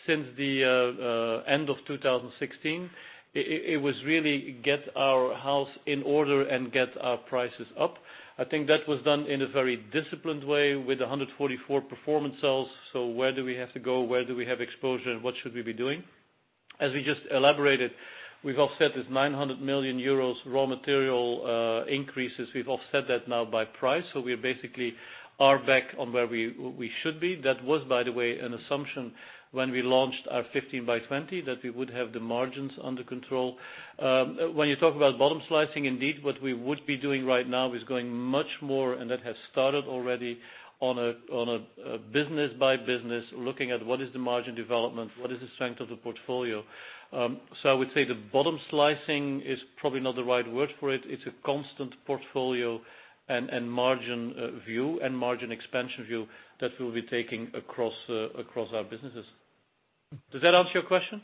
since the end of 2016, it was really get our house in order and get our prices up. I think that was done in a very disciplined way with 144 performance cells. Where do we have to go, where do we have exposure, and what should we be doing? As we just elaborated, we've offset this 900 million euros raw material increases. We've offset that now by price. We basically are back on where we should be. That was, by the way, an assumption when we launched our 15 by 20 that we would have the margins under control. You talk about bottom slicing, indeed, what we would be doing right now is going much more, and that has started already on a business by business, looking at what is the margin development, what is the strength of the portfolio. I would say the bottom slicing is probably not the right word for it. It's a constant portfolio and margin view and margin expansion view that we'll be taking across our businesses. Does that answer your question?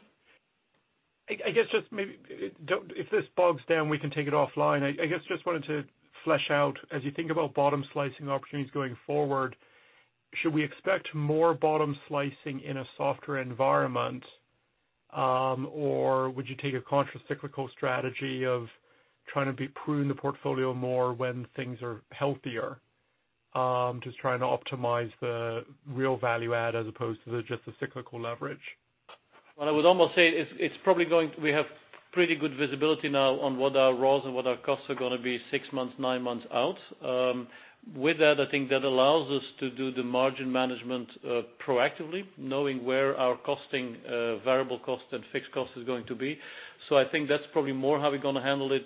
I guess just maybe if this bogs down, we can take it offline. I guess just wanted to flesh out, as you think about bottom slicing opportunities going forward, should we expect more bottom slicing in a softer environment, or would you take a contra-cyclical strategy of trying to prune the portfolio more when things are healthier? Just trying to optimize the real value add as opposed to just the cyclical leverage. Well, I would almost say we have pretty good visibility now on what our raws and what our costs are going to be six months, nine months out. With that, I think that allows us to do the margin management proactively, knowing where our costing, variable cost and fixed cost is going to be. I think that's probably more how we're going to handle it,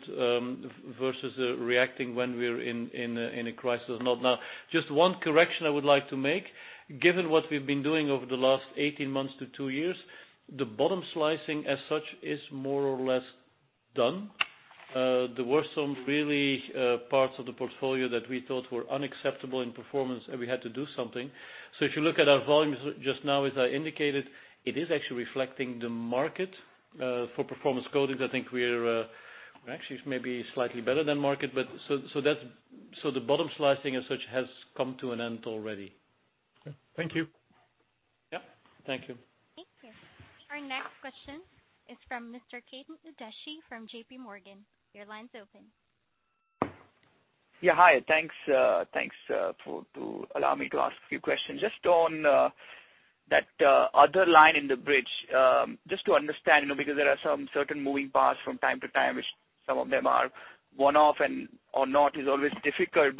versus reacting when we're in a crisis or not. Now, just one correction I would like to make, given what we've been doing over the last 18 months to two years, the bottom slicing as such is more or less done. There were some really parts of the portfolio that we thought were unacceptable in performance and we had to do something. If you look at our volumes just now, as I indicated, it is actually reflecting the market for Performance Coatings. I think we're actually maybe slightly better than market. The bottom slicing as such has come to an end already. Okay. Thank you. Yeah. Thank you. Thank you. Our next question is from Mr. Chetan Udeshi from J.P. Morgan. Your line's open. Hi. Thanks to allow me to ask a few questions just on that other line in the bridge, just to understand, because there are some certain moving parts from time to time, which some of them are one-off and or not, is always difficult.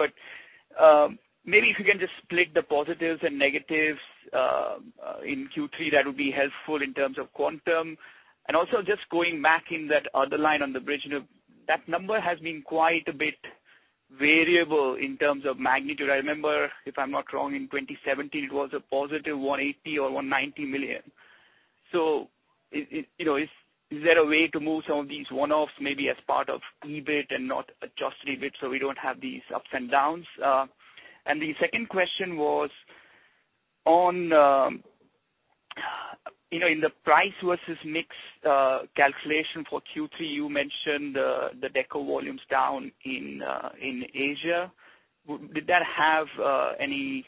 Maybe if you can just split the positives and negatives in Q3, that would be helpful in terms of quantum. Also just going back in that other line on the bridge, that number has been quite a bit variable in terms of magnitude. I remember, if I'm not wrong, in 2017 it was a positive 180 million or 190 million. Is there a way to move some of these one-offs maybe as part of EBIT and not adjust EBIT so we don't have these ups and downs? The second question was, in the price versus mix calculation for Q3, you mentioned the Deco volumes down in Asia. Did that have any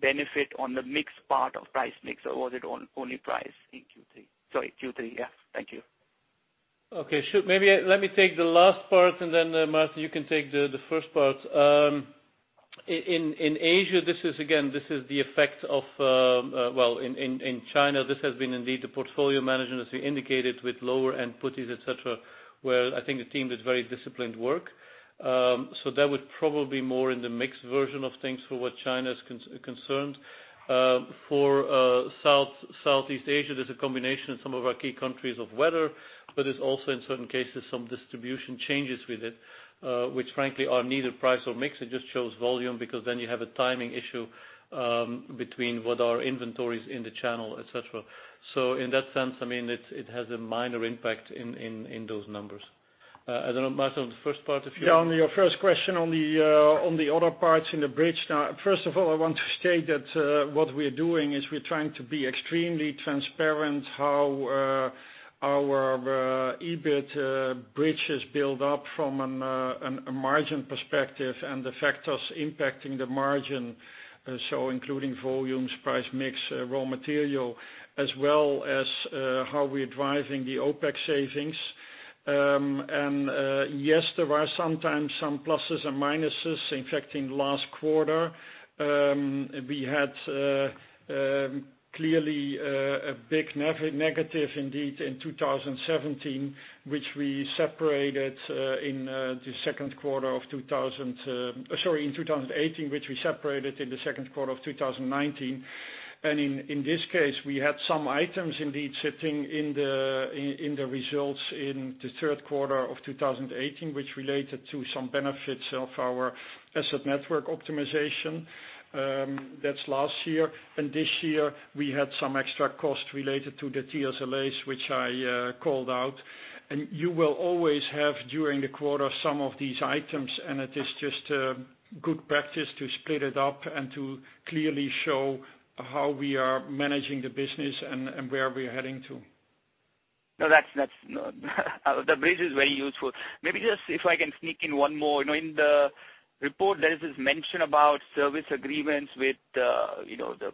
benefit on the mix part of price mix, or was it on only price in Q3? Sorry, Q3. Yeah. Thank you. Okay. Sure. Maybe let me take the last part and then, Maarten, you can take the first part. In Asia, well, in China, this has been indeed a portfolio management, as we indicated, with lower end putties, et cetera, where I think the team did very disciplined work. That was probably more in the mix version of things for what China is concerned. For Southeast Asia, there's a combination in some of our key countries of weather, but it's also, in certain cases, some distribution changes with it, which frankly are neither price or mix. It just shows volume, because then you have a timing issue between what our inventory is in the channel, et cetera. In that sense, it has a minor impact in those numbers. I don't know, Maarten, the first part if you- Yeah, on your first question on the other parts in the bridge. First of all, I want to state that what we're doing is we're trying to be extremely transparent how our EBIT bridge is built up from a margin perspective and the factors impacting the margin. Including volumes, price mix, raw material, as well as how we are driving the OPEX savings. Yes, there are some times some pluses and minuses. In fact, in last quarter, we had clearly a big negative indeed in 2017, which we separated in the second quarter of 2018, which we separated in the second quarter of 2019. In this case, we had some items indeed sitting in the results in the third quarter of 2018, which related to some benefits of our asset network optimization. That's last year. This year we had some extra costs related to the TSAs, which I called out. You will always have, during the quarter, some of these items, and it is just good practice to split it up and to clearly show how we are managing the business and where we are heading to. No, the bridge is very useful. Maybe just if I can sneak in one more. In the report, there is this mention about service agreements with the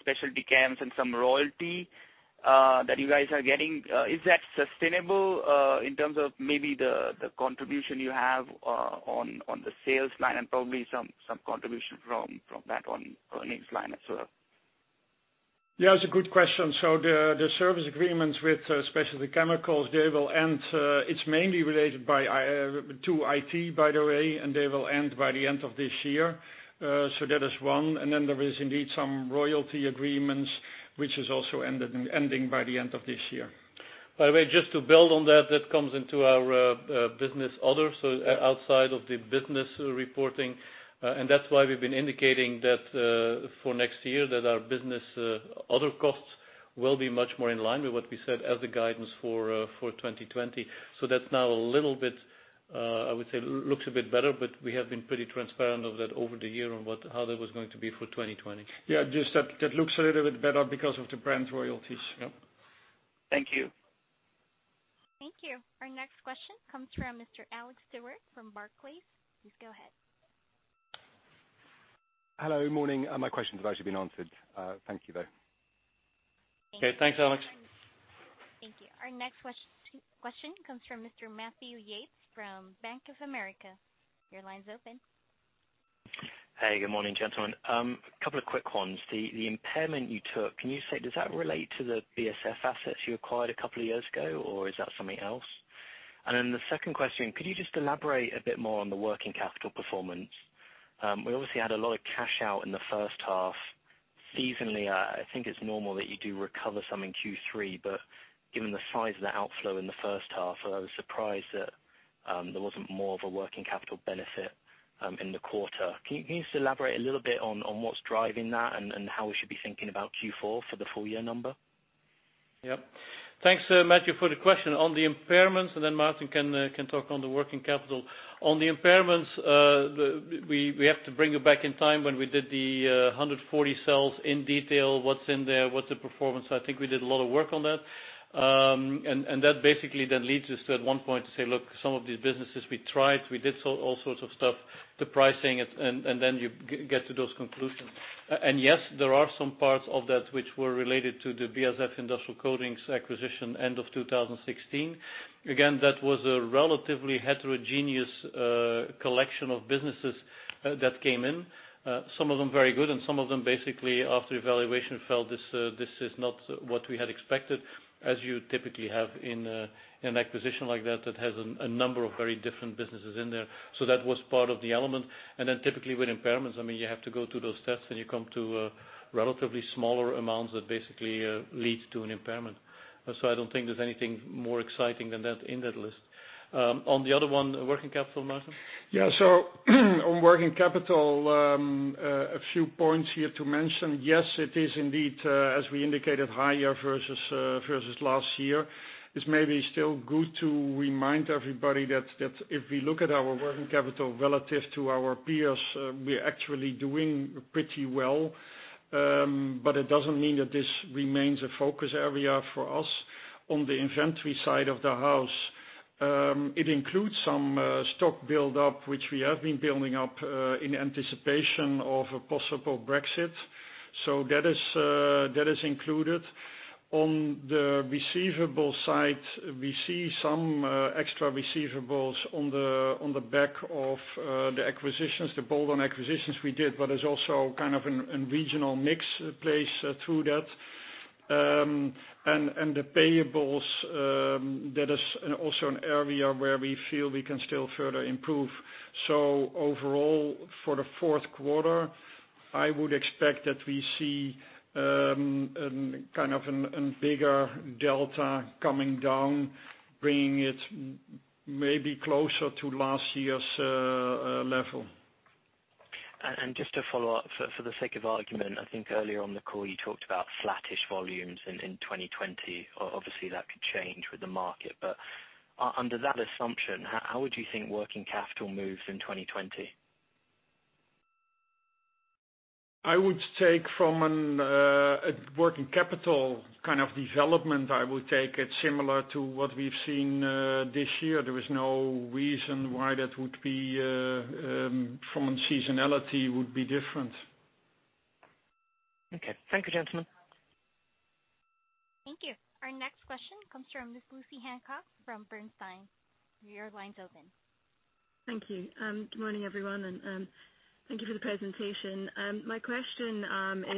Specialty chems and some royalty that you guys are getting. Is that sustainable in terms of maybe the contribution you have on the sales line and probably some contribution from that on earnings line as well? Yeah, it's a good question. The service agreements with Specialty Chemicals, they will end. It's mainly related to IT, by the way, and they will end by the end of this year. That is one. There is indeed some royalty agreements, which is also ending by the end of this year. By the way, just to build on that comes into our business others outside of the business reporting. That's why we've been indicating that for next year, that our business other costs will be much more in line with what we said as the guidance for 2020. That's now a little bit, I would say, looks a bit better, but we have been pretty transparent of that over the year on how that was going to be for 2020. Yeah. Just that looks a little bit better because of the brand royalties. Yep. Thank you. Thank you. Our next question comes from Mr. Alex Stewart from Barclays. Please go ahead. Hello. Morning. My questions have actually been answered. Thank you, though. Okay. Thanks, Alex. Thank you. Our next question comes from Mr. Matthew Yates from Bank of America. Your line's open. Hey, good morning, gentlemen. A couple of quick ones. The impairment you took, can you say, does that relate to the BASF assets you acquired a couple of years ago, or is that something else? The second question, could you just elaborate a bit more on the working capital performance? We obviously had a lot of cash out in the first half. Seasonally, I think it's normal that you do recover some in Q3, but given the size of the outflow in the first half, I was surprised that there wasn't more of a working capital benefit in the quarter. Can you just elaborate a little bit on what's driving that and how we should be thinking about Q4 for the full year number? Yep. Thanks, Matthew, for the question. On the impairments, and then Maarten can talk on the working capital. On the impairments, we have to bring you back in time when we did the 140 cells in detail. What's in there? What's the performance? I think we did a lot of work on that. That basically then leads us to, at one point, to say, look, some of these businesses we tried, we did all sorts of stuff, the pricing, and then you get to those conclusions. Yes, there are some parts of that which were related to the BASF Industrial Coatings acquisition end of 2016. Again, that was a relatively heterogeneous collection of businesses that came in. Some of them very good, and some of them, basically after evaluation, felt this is not what we had expected, as you typically have in an acquisition like that has a number of very different businesses in there. That was part of the element. Typically with impairments, you have to go through those tests, and you come to relatively smaller amounts that basically leads to an impairment. I don't think there's anything more exciting than that in that list. On the other one, working capital, Maarten? Yeah. On working capital, a few points here to mention. Yes, it is indeed, as we indicated, higher versus last year. It doesn't mean that this remains a focus area for us. On the inventory side of the house, it includes some stock buildup, which we have been building up in anticipation of a possible Brexit. That is included. On the receivable side, we see some extra receivables on the back of the acquisitions, the bolt-on acquisitions we did, but there's also kind of a regional mix plays through that. The payables, that is also an area where we feel we can still further improve. Overall, for the fourth quarter, I would expect that we see kind of a bigger delta coming down, bringing it maybe closer to last year's level. Just to follow up, for the sake of argument, I think earlier on the call you talked about flattish volumes in 2020. Obviously, that could change with the market. Under that assumption, how would you think working capital moves in 2020? I would take from a working capital kind of development, I would take it similar to what we've seen this year. There is no reason why that would be, from seasonality, would be different. Okay. Thank you, gentlemen. Thank you. Our next question comes from Miss Lucy Hancock from Bernstein. Your line's open. Thank you. Good morning, everyone, and thank you for the presentation. My question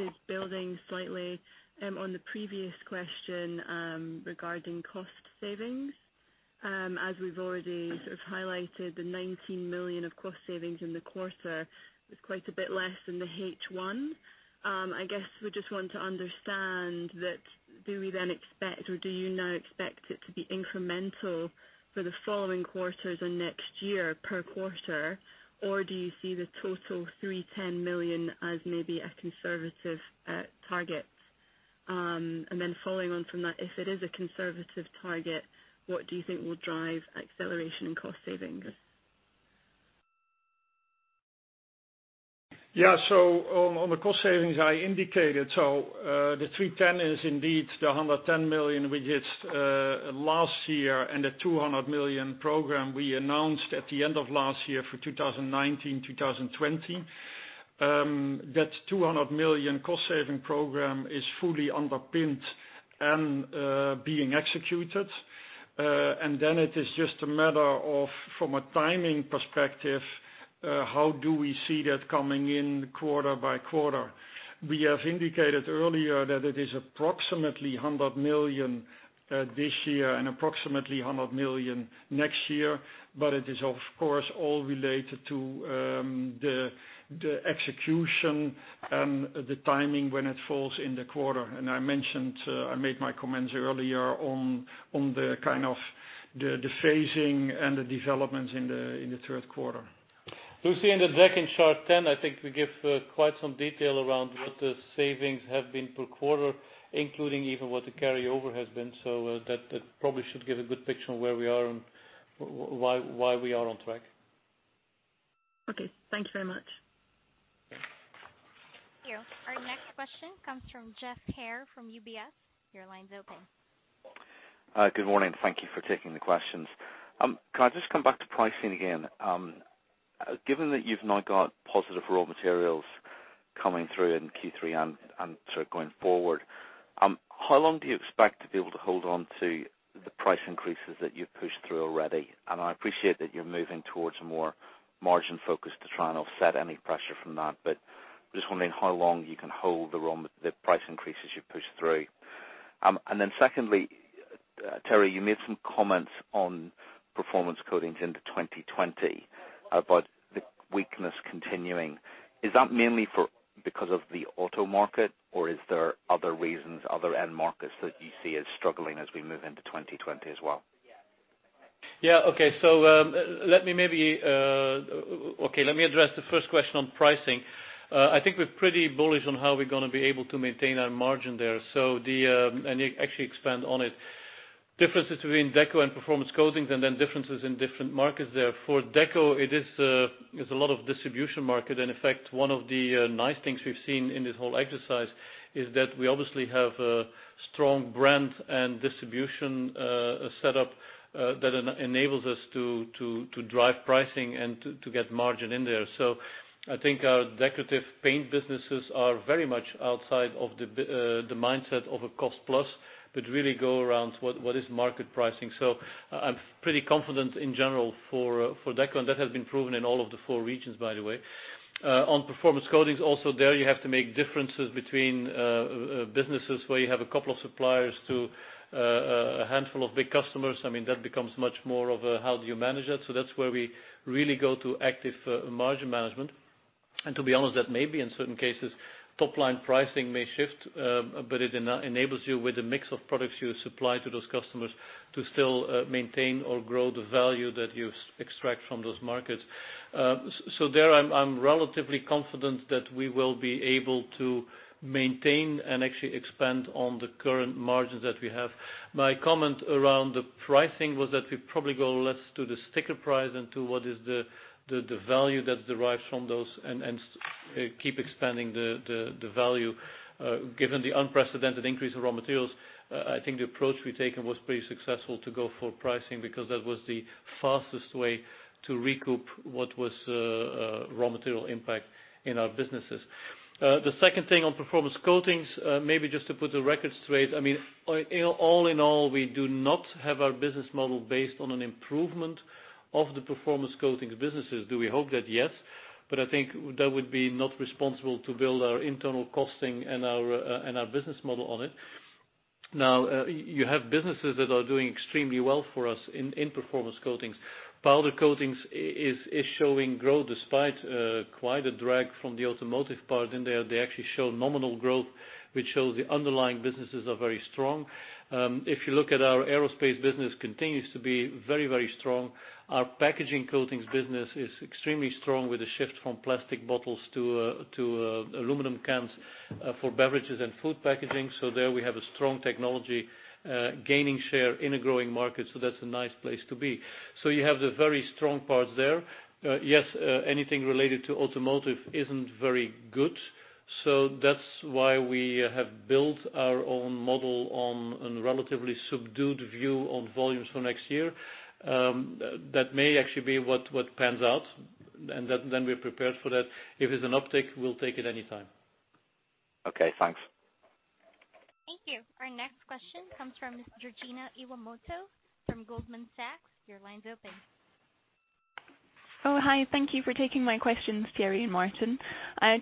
is building slightly on the previous question regarding cost savings. As we've already sort of highlighted, the 19 million of cost savings in the quarter is quite a bit less than the H1. I guess we just want to understand that do we then expect, or do you now expect it to be incremental for the following quarters and next year per quarter? Or do you see the total 310 million as maybe a conservative target? Following on from that, if it is a conservative target, what do you think will drive acceleration in cost savings? On the cost savings I indicated, the 310 is indeed the 110 million we did last year, and the 200 million program we announced at the end of last year for 2019-2020. That 200 million cost saving program is fully underpinned and being executed. It is just a matter of, from a timing perspective, how do we see that coming in quarter by quarter? We have indicated earlier that it is approximately 100 million this year and approximately 100 million next year, but it is of course all related to the execution and the timing when it falls in the quarter. I mentioned, I made my comments earlier on the kind of the phasing and the developments in the third quarter. Lucy, in the second chart 10, I think we give quite some detail around what the savings have been per quarter, including even what the carryover has been. That probably should give a good picture on where we are and why we are on track. Okay. Thank you very much. Thank you. Our next question comes from Geoff Haire from UBS. Your line's open. Good morning. Thank you for taking the questions. Can I just come back to pricing again? Given that you've now got positive raw materials coming through in Q3 and sort of going forward, how long do you expect to be able to hold on to the price increases that you've pushed through already? I appreciate that you're moving towards a more margin focus to try and offset any pressure from that, but I'm just wondering how long you can hold the price increases you've pushed through. Then secondly, Thierry, you made some comments on Performance Coatings into 2020 about the weakness continuing. Is that mainly because of the auto market, or is there other reasons, other end markets that you see as struggling as we move into 2020 as well? Yeah. Okay. Let me address the first question on pricing. I think we're pretty bullish on how we're going to be able to maintain our margin there. Actually expand on it. Differences between Deco and Performance Coatings, differences in different markets there. For Deco, it's a lot of distribution market. In fact, one of the nice things we've seen in this whole exercise is that we obviously have a strong brand and distribution setup that enables us to drive pricing and to get margin in there. I think our Decorative Paints businesses are very much outside of the mindset of a cost plus, but really go around what is market pricing. I'm pretty confident in general for Deco, that has been proven in all of the four regions, by the way. On Performance Coatings also, there you have to make differences between businesses where you have a couple of suppliers to a handful of big customers. I mean, that becomes much more of a how do you manage that? That's where we really go to active margin management. To be honest, that may be in certain cases, top line pricing may shift, but it enables you with a mix of products you supply to those customers to still maintain or grow the value that you extract from those markets. There I'm relatively confident that we will be able to maintain and actually expand on the current margins that we have. My comment around the pricing was that we probably go less to the sticker price and to what is the value that derives from those and keep expanding the value. Given the unprecedented increase in raw materials, I think the approach we've taken was pretty successful to go for pricing because that was the fastest way to recoup what was raw material impact in our businesses. The second thing on Performance Coatings, maybe just to put the records straight. All in all, we do not have our business model based on an improvement of the Performance Coatings businesses. Do we hope that? Yes. I think that would be not responsible to build our internal costing and our business model on it. Now, you have businesses that are doing extremely well for us in Performance Coatings. Powder Coatings is showing growth despite quite a drag from the automotive part in there. They actually show nominal growth, which shows the underlying businesses are very strong. If you look at our Aerospace Coatings, continues to be very strong. Our Packaging Coatings business is extremely strong with a shift from plastic bottles to aluminum cans for beverages and food packaging. There we have a strong technology gaining share in a growing market, that's a nice place to be. You have the very strong parts there. Yes, anything related to automotive isn't very good. That's why we have built our own model on a relatively subdued view on volumes for next year. That may actually be what pans out, and then we're prepared for that. If it's an uptick, we'll take it anytime. Okay, thanks. Thank you. Our next question comes from Miss Georgina Fraser from Goldman Sachs. Your line's open. Oh, hi. Thank you for taking my questions, Thierry and Maarten.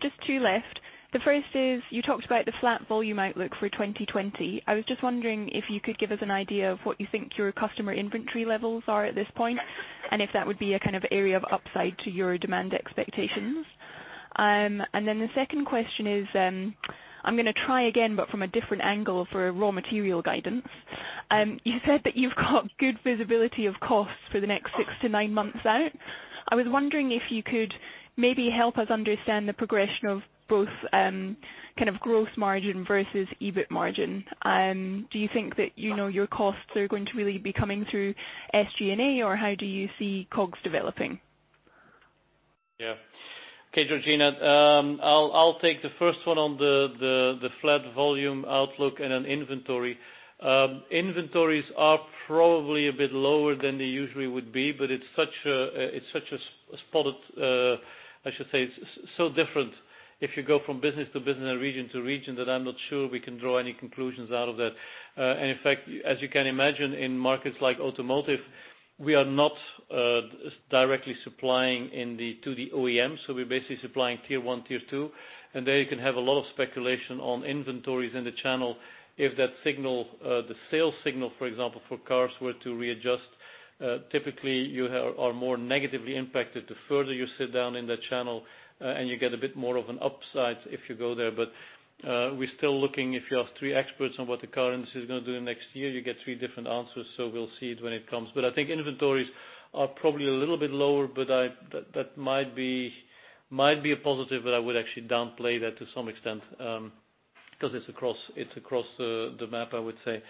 Just two left. The first is, you talked about the flat volume outlook for 2020. I was just wondering if you could give us an idea of what you think your customer inventory levels are at this point, and if that would be a kind of area of upside to your demand expectations. Then the second question is, I'm going to try again, but from a different angle for raw material guidance. You said that you've got good visibility of costs for the next six to nine months out. I was wondering if you could maybe help us understand the progression of both kind of growth margin versus EBIT margin. Do you think that your costs are going to really be coming through SGA, or how do you see COGS developing? Yeah. Okay, Georgina. I'll take the first one on the flat volume outlook and then inventory. Inventories are probably a bit lower than they usually would be, but it's such a spotty, I should say, it's so different if you go from business to business and region to region, that I'm not sure we can draw any conclusions out of that. In fact, as you can imagine, in markets like automotive, we are not directly supplying to the OEM, so we're basically supplying tier 1, tier 2. There you can have a lot of speculation on inventories in the channel. If the sales signal, for example, for cars were to readjust, typically you are more negatively impacted the further you sit down in that channel, You get a bit more of an upside if you go there. We're still looking, if you ask three experts on what the currency is going to do the next year, you get three different answers, so we'll see it when it comes. I think inventories are probably a little bit lower, but that might be a positive, but I would actually downplay that to some extent, because it's across the map, I would say.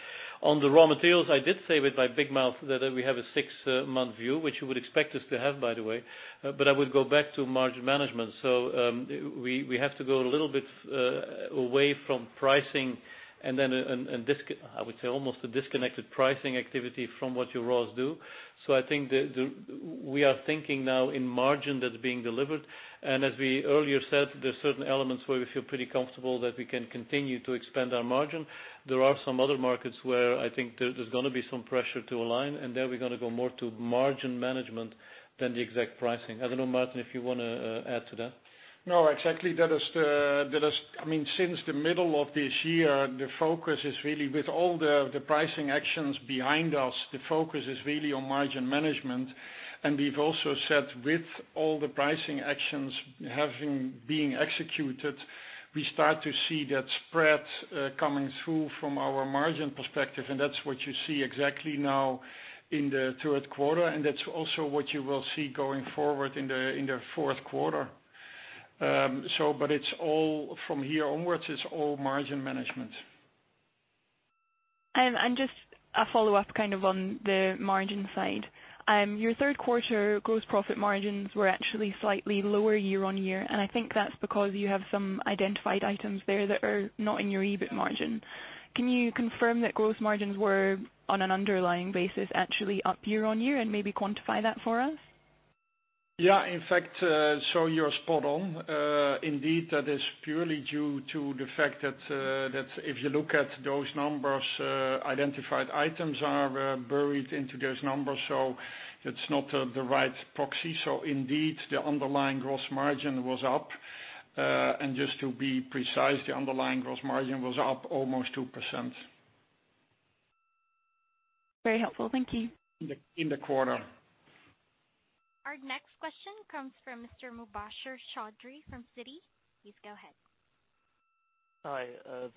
On the raw materials, I did say with my big mouth that we have a six-month view, which you would expect us to have, by the way. I would go back to margin management. We have to go a little bit away from pricing and then, I would say, almost a disconnected pricing activity from what your raws do. I think that we are thinking now in margin that's being delivered. As we earlier said, there's certain elements where we feel pretty comfortable that we can continue to expand our margin. There are some other markets where I think there's going to be some pressure to align, and there we're going to go more to margin management than the exact pricing. I don't know, Maarten, if you want to add to that. No, exactly. Since the middle of this year, with all the pricing actions behind us, the focus is really on margin management. We've also said with all the pricing actions having being executed, we start to see that spread coming through from our margin perspective, and that's what you see exactly now in the third quarter, and that's also what you will see going forward in the fourth quarter. From here onwards, it's all margin management. Just a follow-up kind of on the margin side. Your third quarter gross profit margins were actually slightly lower year-on-year. I think that's because you have some identified items there that are not in your EBIT margin. Can you confirm that gross margins were on an underlying basis actually up year-on-year, and maybe quantify that for us? Yeah. In fact, you're spot on. Indeed, that is purely due to the fact that if you look at those numbers, identified items are buried into those numbers, it's not the right proxy. Indeed, the underlying gross margin was up. Just to be precise, the underlying gross margin was up almost 2%. Very helpful. Thank you. In the quarter. Our next question comes from Mr. Mubasher Chaudhry from Citi. Please go ahead. Hi.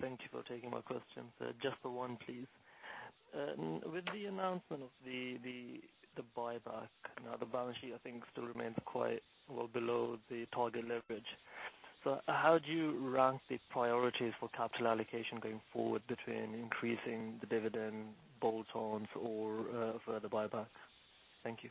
Thank you for taking my questions. Just the one, please. With the announcement of the buyback, now the balance sheet, I think still remains quite well below the target leverage. How do you rank the priorities for capital allocation going forward between increasing the dividend bolt-ons or further buybacks? Thank you.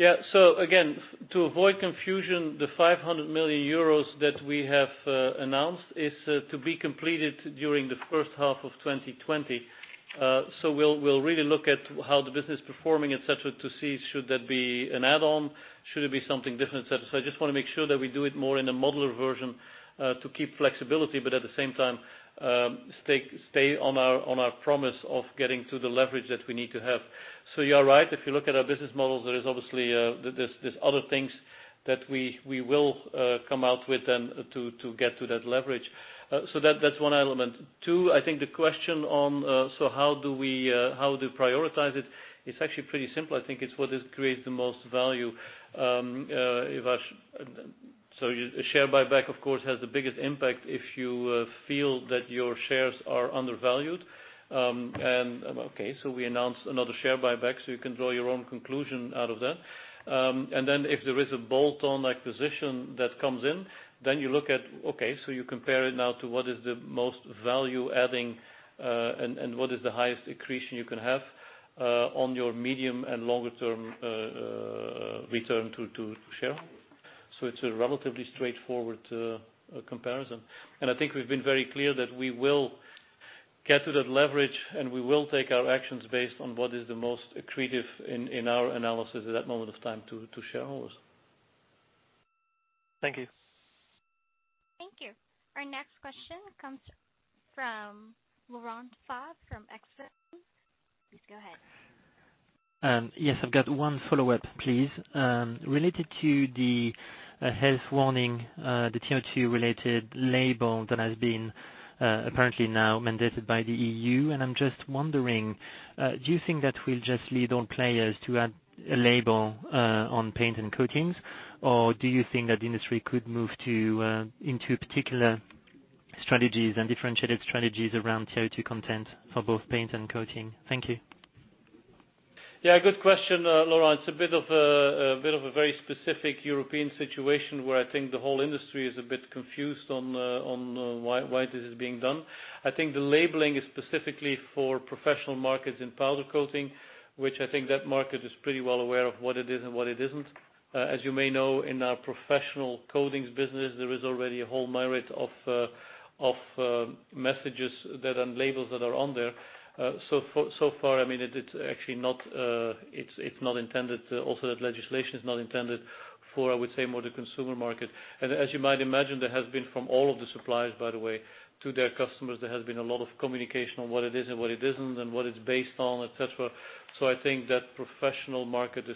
Yeah. Again, to avoid confusion, the 500 million euros that we have announced is to be completed during the first half of 2020. We'll really look at how the business is performing, et cetera, to see should that be an add-on? Should it be something different? I just want to make sure that we do it more in a modular version, to keep flexibility, but at the same time, stay on our promise of getting to the leverage that we need to have. You are right. If you look at our business models, there's other things that we will come out with then to get to that leverage. That's one element. Two, I think the question on, so how do you prioritize it? It's actually pretty simple. I think it's what creates the most value. Share buyback, of course, has the biggest impact if you feel that your shares are undervalued. Okay, we announced another share buyback, so you can draw your own conclusion out of that. If there is a bolt-on acquisition that comes in, then you look at, okay, you compare it now to what is the most value-adding, and what is the highest accretion you can have, on your medium and longer term return to shareholders. It's a relatively straightforward comparison. I think we've been very clear that we will get to that leverage and we will take our actions based on what is the most accretive in our analysis at that moment of time to shareholders. Thank you. Thank you. Our next question comes from Laurent Favre from Exane. Please go ahead. Yes, I've got one follow-up, please. Related to the health warning, the CO2 related label that has been, apparently now mandated by the EU. I'm just wondering, do you think that will just lead all players to add a label on paint and coatings? Do you think that the industry could move into particular strategies and differentiated strategies around CO2 content for both paint and coating? Thank you. Yeah, good question, Laurent. It's a bit of a very specific European situation where I think the whole industry is a bit confused on why this is being done. I think the labeling is specifically for professional markets in Powder Coatings, which I think that market is pretty well aware of what it is and what it isn't. As you may know, in our professional coatings business, there is already a whole myriad of messages and labels that are on there. So far, it's not intended, also that legislation is not intended for, I would say, more the consumer market. As you might imagine, there has been from all of the suppliers, by the way, to their customers, there has been a lot of communication on what it is and what it isn't and what it's based on, et cetera. I think that professional market is,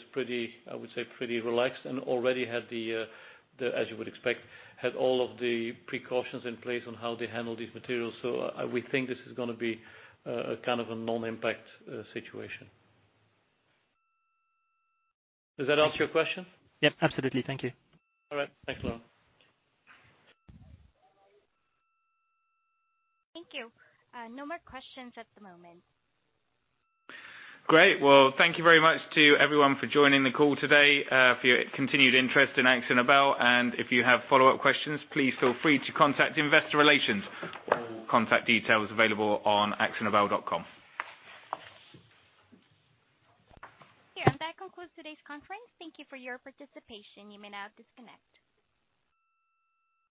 I would say, pretty relaxed and already, as you would expect, had all of the precautions in place on how they handle these materials. We think this is going to be a kind of a non-impact situation. Does that answer your question? Yep, absolutely. Thank you. All right. Thanks, Laurent. Thank you. No more questions at the moment. Great. Well, thank you very much to everyone for joining the call today, for your continued interest in AkzoNobel. If you have follow-up questions, please feel free to contact investor relations. All contact details available on akzonobel.com. Here, that concludes today's conference. Thank you for your participation. You may now disconnect.